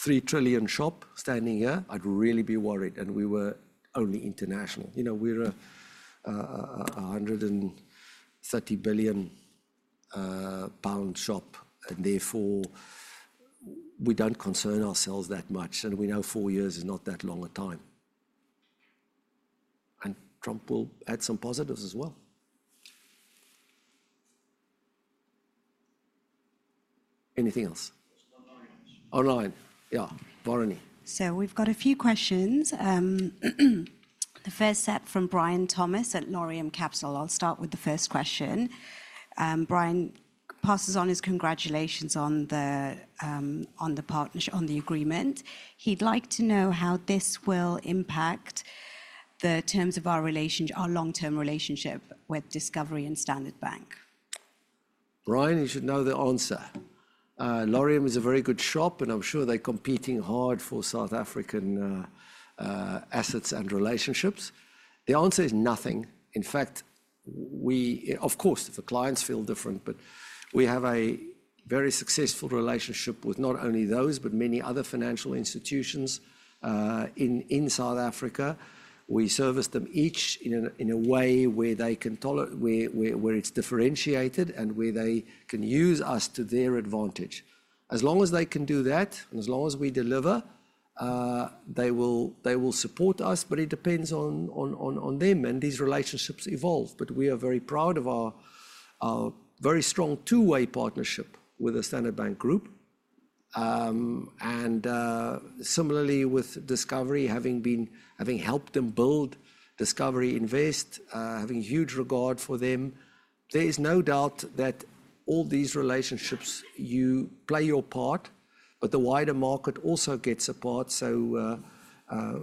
three trillion shop standing here, I'd really be worried. And we were only international. You know, we're a 130 billion pound shop. And therefore, we don't concern ourselves that much. And we know four years is not that long a time. And Trump will add some positives as well. Anything else? Online. Yeah. Varuni. So we've got a few questions. The first set from Brian Thomas at Laurium Capital. I'll start with the first question. Brian passes on his congratulations on the partnership, on the agreement. He'd like to know how this will impact the terms of our relationship, our long-term relationship with Discovery and Standard Bank. Brian, you should know the answer. Laurium is a very good shop, and I'm sure they're competing hard for South African assets and relationships. The answer is nothing. In fact, we, of course, the clients feel different, but we have a very successful relationship with not only those, but many other financial institutions in South Africa. We service them each in a way where they can tolerate, where it's differentiated and where they can use us to their advantage. As long as they can do that, and as long as we deliver, they will support us, but it depends on them. And these relationships evolve. But we are very proud of our very strong two-way partnership with the Standard Bank Group. And similarly, with Discovery, having helped them build Discovery Invest, having huge regard for them, there is no doubt that all these relationships, you play your part, but the wider market also gets a part.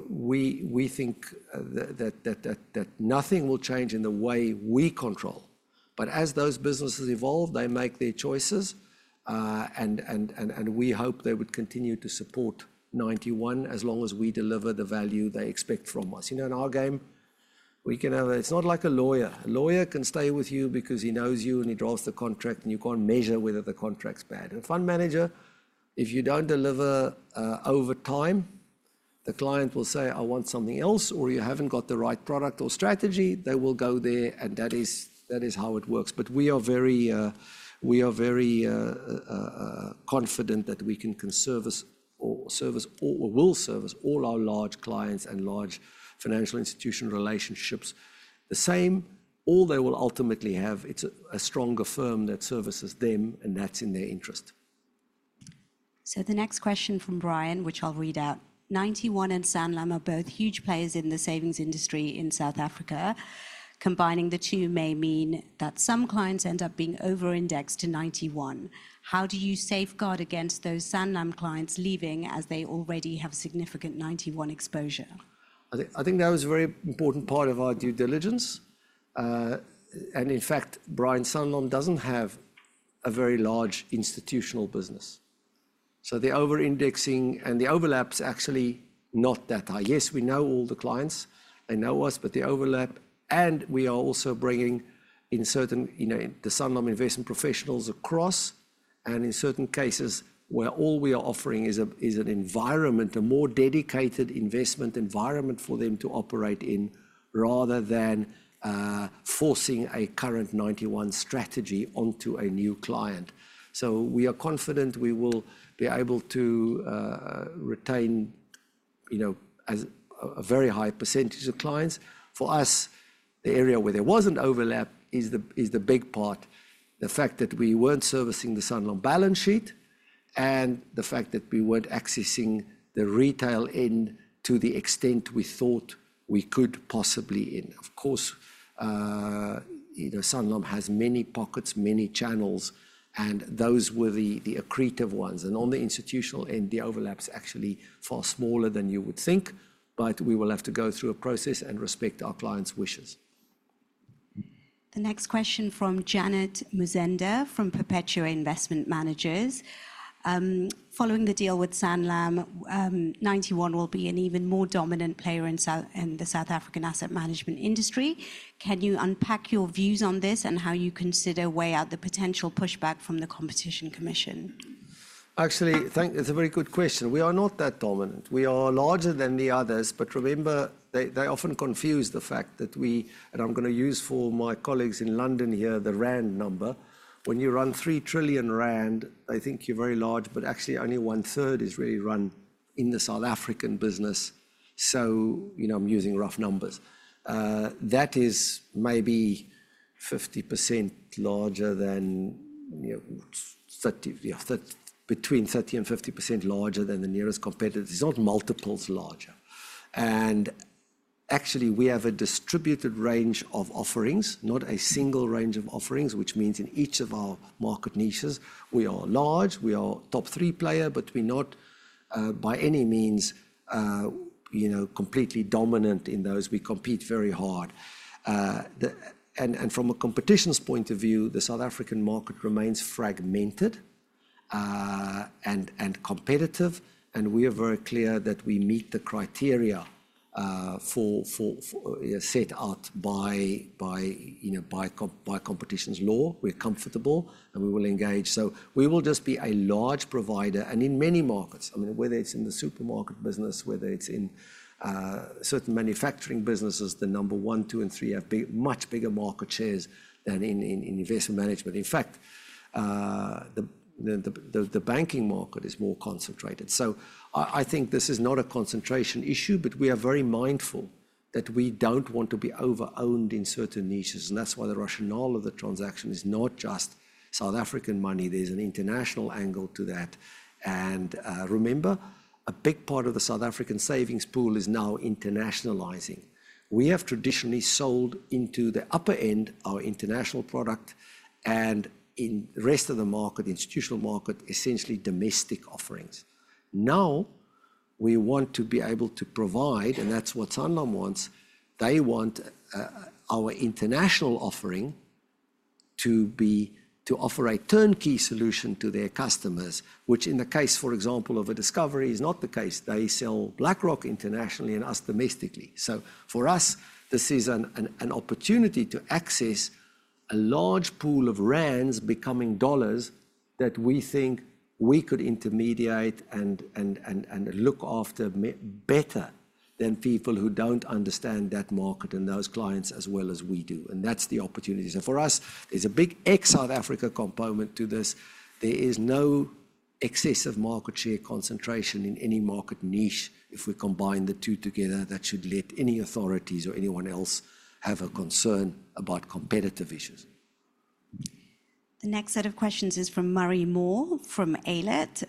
We think that nothing will change in the way we control. But as those businesses evolve, they make their choices. We hope they would continue to support Ninety One as long as we deliver the value they expect from us. You know, in our game, we can have; it's not like a lawyer. A lawyer can stay with you because he knows you and he draws the contract and you can't measure whether the contract's bad. A fund manager, if you don't deliver over time, the client will say, "I want something else," or "You haven't got the right product or strategy." They will go there, and that is how it works. We are very confident that we can service, or will service, all our large clients and large financial institution relationships the same. All they will ultimately have, it's a stronger firm that services them, and that's in their interest. So the next question from Brian, which I'll read out. Ninety One and Sanlam are both huge players in the savings industry in South Africa. Combining the two may mean that some clients end up being over-indexed to Ninety One. How do you safeguard against those Sanlam clients leaving as they already have significant Ninety One exposure? I think that was a very important part of our due diligence, and in fact, Brian, Sanlam doesn't have a very large institutional business, so the over-indexing and the overlap's actually not that high. Yes, we know all the clients, they know us, but the overlap, and we are also bringing in certain, you know, the Sanlam investment professionals across and in certain cases where all we are offering is an environment, a more dedicated investment environment for them to operate in rather than forcing a current Ninety One strategy onto a new client. So we are confident we will be able to retain, you know, a very high percentage of clients. For us, the area where there wasn't overlap is the big part, the fact that we weren't servicing the Sanlam balance sheet and the fact that we weren't accessing the retail end to the extent we thought we could possibly in. Of course, you know, Sanlam has many pockets, many channels, and those were the accretive ones. On the institutional end, the overlap's actually far smaller than you would think, but we will have to go through a process and respect our clients' wishes. The next question from Janet Muzenda from Perpetua Investment Managers. Following the deal with Sanlam, Ninety One will be an even more dominant player in the South African asset management industry. Can you unpack your views on this and how you consider weigh out the potential pushback from the Competition Commission? Actually, thank you, that's a very good question. We are not that dominant. We are larger than the others, but remember, they often confuse the fact that we, and I'm going to use for my colleagues in London here, the Rand number. When you run 3 trillion rand, I think you're very large, but actually only one third is really run in the South African business. You know, I'm using rough numbers. That is maybe 50% larger than, you know, between 30% and 50% larger than the nearest competitors. It's not multiples larger. Actually, we have a distributed range of offerings, not a single range of offerings, which means in each of our market niches, we are large, we are a top three player, but we're not by any means, you know, completely dominant in those. We compete very hard. From a competition's point of view, the South African market remains fragmented and competitive. We are very clear that we meet the criteria set out by, you know, by competition's law. We're comfortable and we will engage. We will just be a large provider. And in many markets, I mean, whether it's in the supermarket business, whether it's in certain manufacturing businesses, the number one, two, and three have much bigger market shares than in investment management. In fact, the banking market is more concentrated. So I think this is not a concentration issue, but we are very mindful that we don't want to be over-owned in certain niches. And that's why the rationale of the transaction is not just South African money. There's an international angle to that. And remember, a big part of the South African savings pool is now internationalizing. We have traditionally sold into the upper end our international product and in the rest of the market, institutional market, essentially domestic offerings. Now we want to be able to provide, and that's what Sanlam wants. They want our international offering to be to offer a turnkey solution to their customers, which in the case, for example, of a Discovery is not the case. They sell BlackRock internationally and us domestically. So for us, this is an opportunity to access a large pool of Rands becoming dollars that we think we could intermediate and look after better than people who don't understand that market and those clients as well as we do. And that's the opportunity. So for us, there's a big ex-South Africa component to this. There is no excessive market share concentration in any market niche. If we combine the two together, that should let any authorities or anyone else have a concern about competitive issues. The next set of questions is from Murray Moore from Aylett.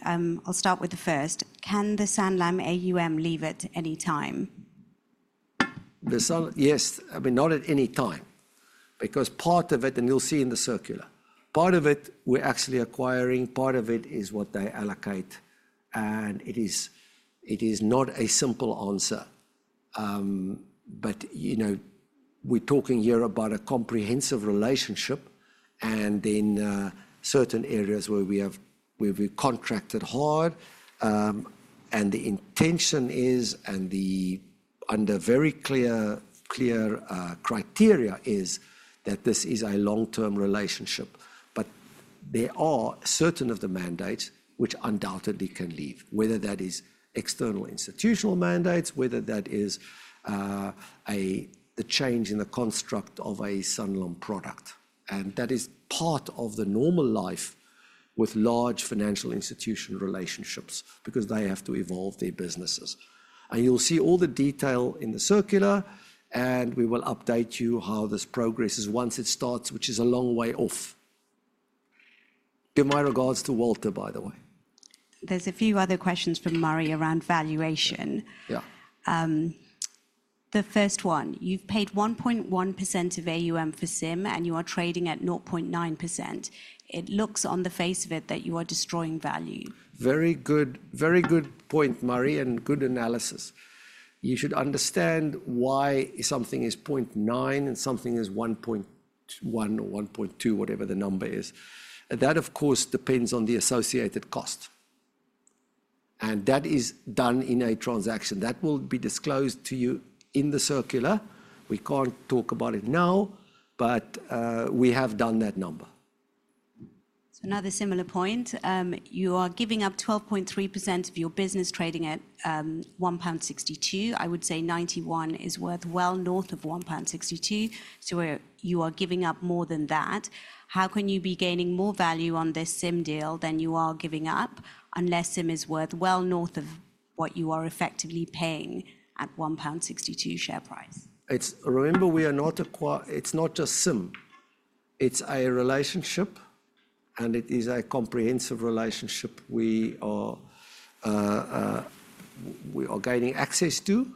I'll start with the first. Can the Sanlam AUM leave at any time? Yes, I mean, not at any time. Because part of it, and you'll see in the circular, part of it we're actually acquiring, part of it is what they allocate, and it is not a simple answer, but you know, we're talking here about a comprehensive relationship and then certain areas where we have contracted hard, and the intention is, and under very clear criteria is that this is a long-term relationship, but there are certain of the mandates which undoubtedly can leave, whether that is external institutional mandates, whether that is the change in the construct of a Sanlam product, and that is part of the normal life with large financial institution relationships because they have to evolve their businesses, and you'll see all the detail in the circular, and we will update you how this progresses once it starts, which is a long way off. Give my regards to Walter, by the way. There's a few other questions from Murray around valuation. Yeah. The first one, you've paid 1.1% of AUM for SIM and you are trading at 0.9%. It looks on the face of it that you are destroying value. Very good, very good point, Murray, and good analysis. You should understand why something is 0.9% and something is 1.1% or 1.2%, whatever the number is. That, of course, depends on the associated cost. And that is done in a transaction. That will be disclosed to you in the circular. We can't talk about it now, but we have done that number. So another similar point. You are giving up 12.3% of your business trading at 1.62 pound. I would say Ninety One is worth well north of 1.62 pound. So you are giving up more than that. How can you be gaining more value on this SIM deal than you are giving up unless SIM is worth well north of what you are effectively paying at 1.62 pound share price? It's, remember, it's not just SIM. It's a relationship, and it is a comprehensive relationship we are gaining access to.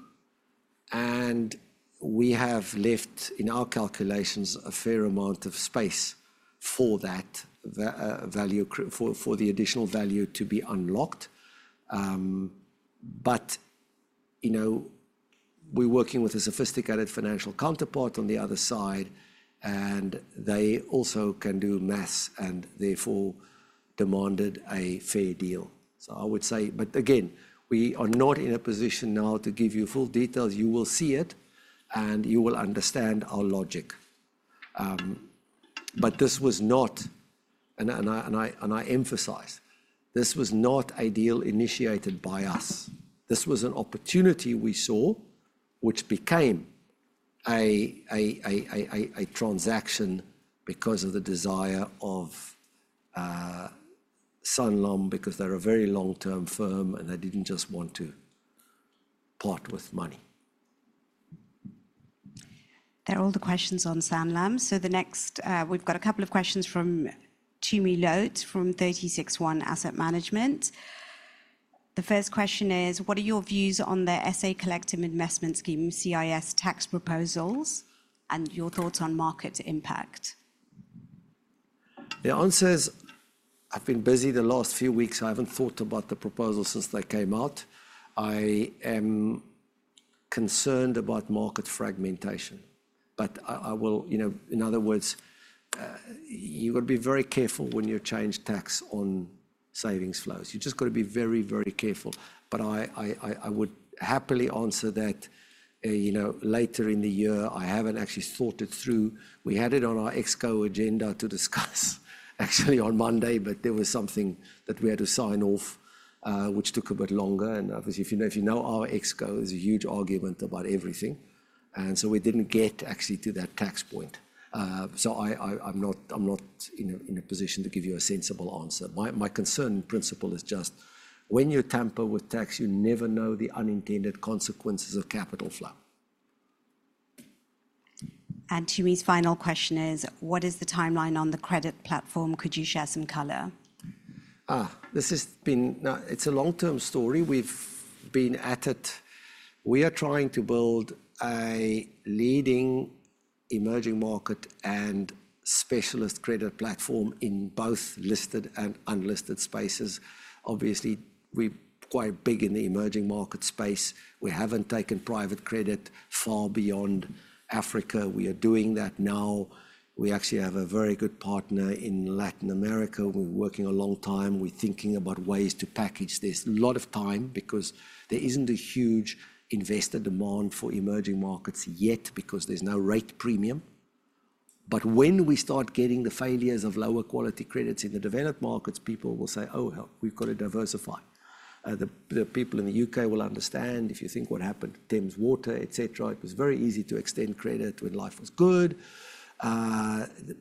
We have left in our calculations a fair amount of space for that value, for the additional value to be unlocked. But, you know, we're working with a sophisticated financial counterpart on the other side, and they also can do math and therefore demanded a fair deal. So I would say, but again, we are not in a position now to give you full details. You will see it, and you will understand our logic. But this was not, and I emphasize, this was not a deal initiated by us. This was an opportunity we saw, which became a transaction because of the desire of Sanlam, because they're a very long-term firm and they didn't just want to part with money. They're all the questions on Sanlam. So the next, we've got a couple of questions from Tumi Loate from 36ONE Asset Management. The first question is, what are your views on the SA Collective Investment Scheme, CIS tax proposals, and your thoughts on market impact? The answer is, I've been busy the last few weeks. I haven't thought about the proposal since they came out. I am concerned about market fragmentation, but I will, you know, in other words, you've got to be very careful when you change tax on savings flows. You've just got to be very, very careful. But I would happily answer that, you know, later in the year, I haven't actually thought it through. We had it on our Exco agenda to discuss actually on Monday, but there was something that we had to sign off, which took a bit longer, and obviously, if you know our Exco, there's a huge argument about everything, and so we didn't get actually to that tax point. So I'm not in a position to give you a sensible answer. My concern in principle is just when you tamper with tax, you never know the unintended consequences of capital flow. And Tumi's final question is, what is the timeline on the credit platform? Could you share some color? This has been, it's a long-term story. We've been at it. We are trying to build a leading emerging market and specialist credit platform in both listed and unlisted spaces. Obviously, we're quite big in the emerging market space. We haven't taken private credit far beyond Africa. We are doing that now. We actually have a very good partner in Latin America. We're working a long time. We're thinking about ways to package this. A lot of time because there isn't a huge investor demand for emerging markets yet because there's no rate premium. But when we start getting the failures of lower quality credits in the developed markets, people will say, "Oh, we've got to diversify." The people in the U.K. will understand if you think what happened to Thames Water, et cetera. It was very easy to extend credit when life was good.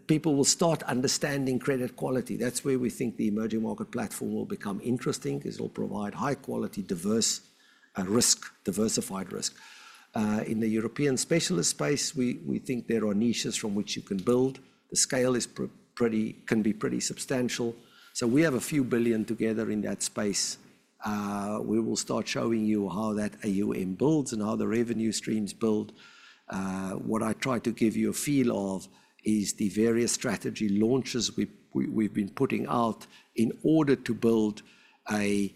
People will start understanding credit quality. That's where we think the emerging market platform will become interesting because it'll provide high quality, diverse risk, diversified risk. In the European specialist space, we think there are niches from which you can build. The scale can be pretty substantial. So we have a few billion together in that space. We will start showing you how that AUM builds and how the revenue streams build. What I try to give you a feel of is the various strategy launches we've been putting out in order to build a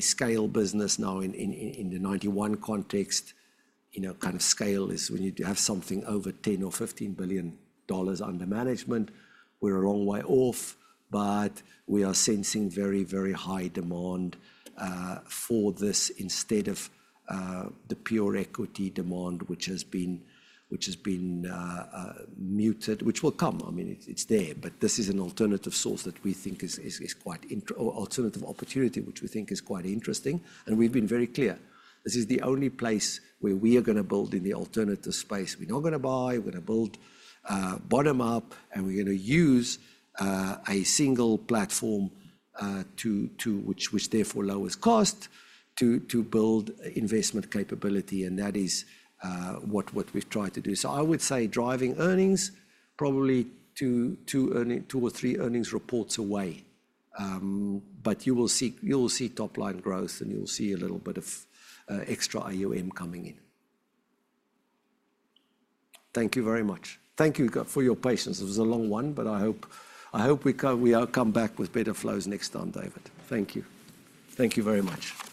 scale business. Now in the Ninety One context, you know, kind of scale is when you have something over $10 billion or $15 billion under management. We're a long way off, but we are sensing very, very high demand for this instead of the pure equity demand, which has been muted, which will come. I mean, it's there, but this is an alternative source that we think is quite alternative opportunity, which we think is quite interesting. And we've been very clear. This is the only place where we are going to build in the alternative space. We're not going to buy, we're going to build bottom up, and we're going to use a single platform, which therefore lowers cost to build investment capability. And that is what we've tried to do. So I would say driving earnings probably two or three earnings reports away. But you will see top line growth and you'll see a little bit of extra AUM coming in. Thank you very much. Thank you for your patience. It was a long one, but I hope we come back with better flows next time, David. Thank you. Thank you very much.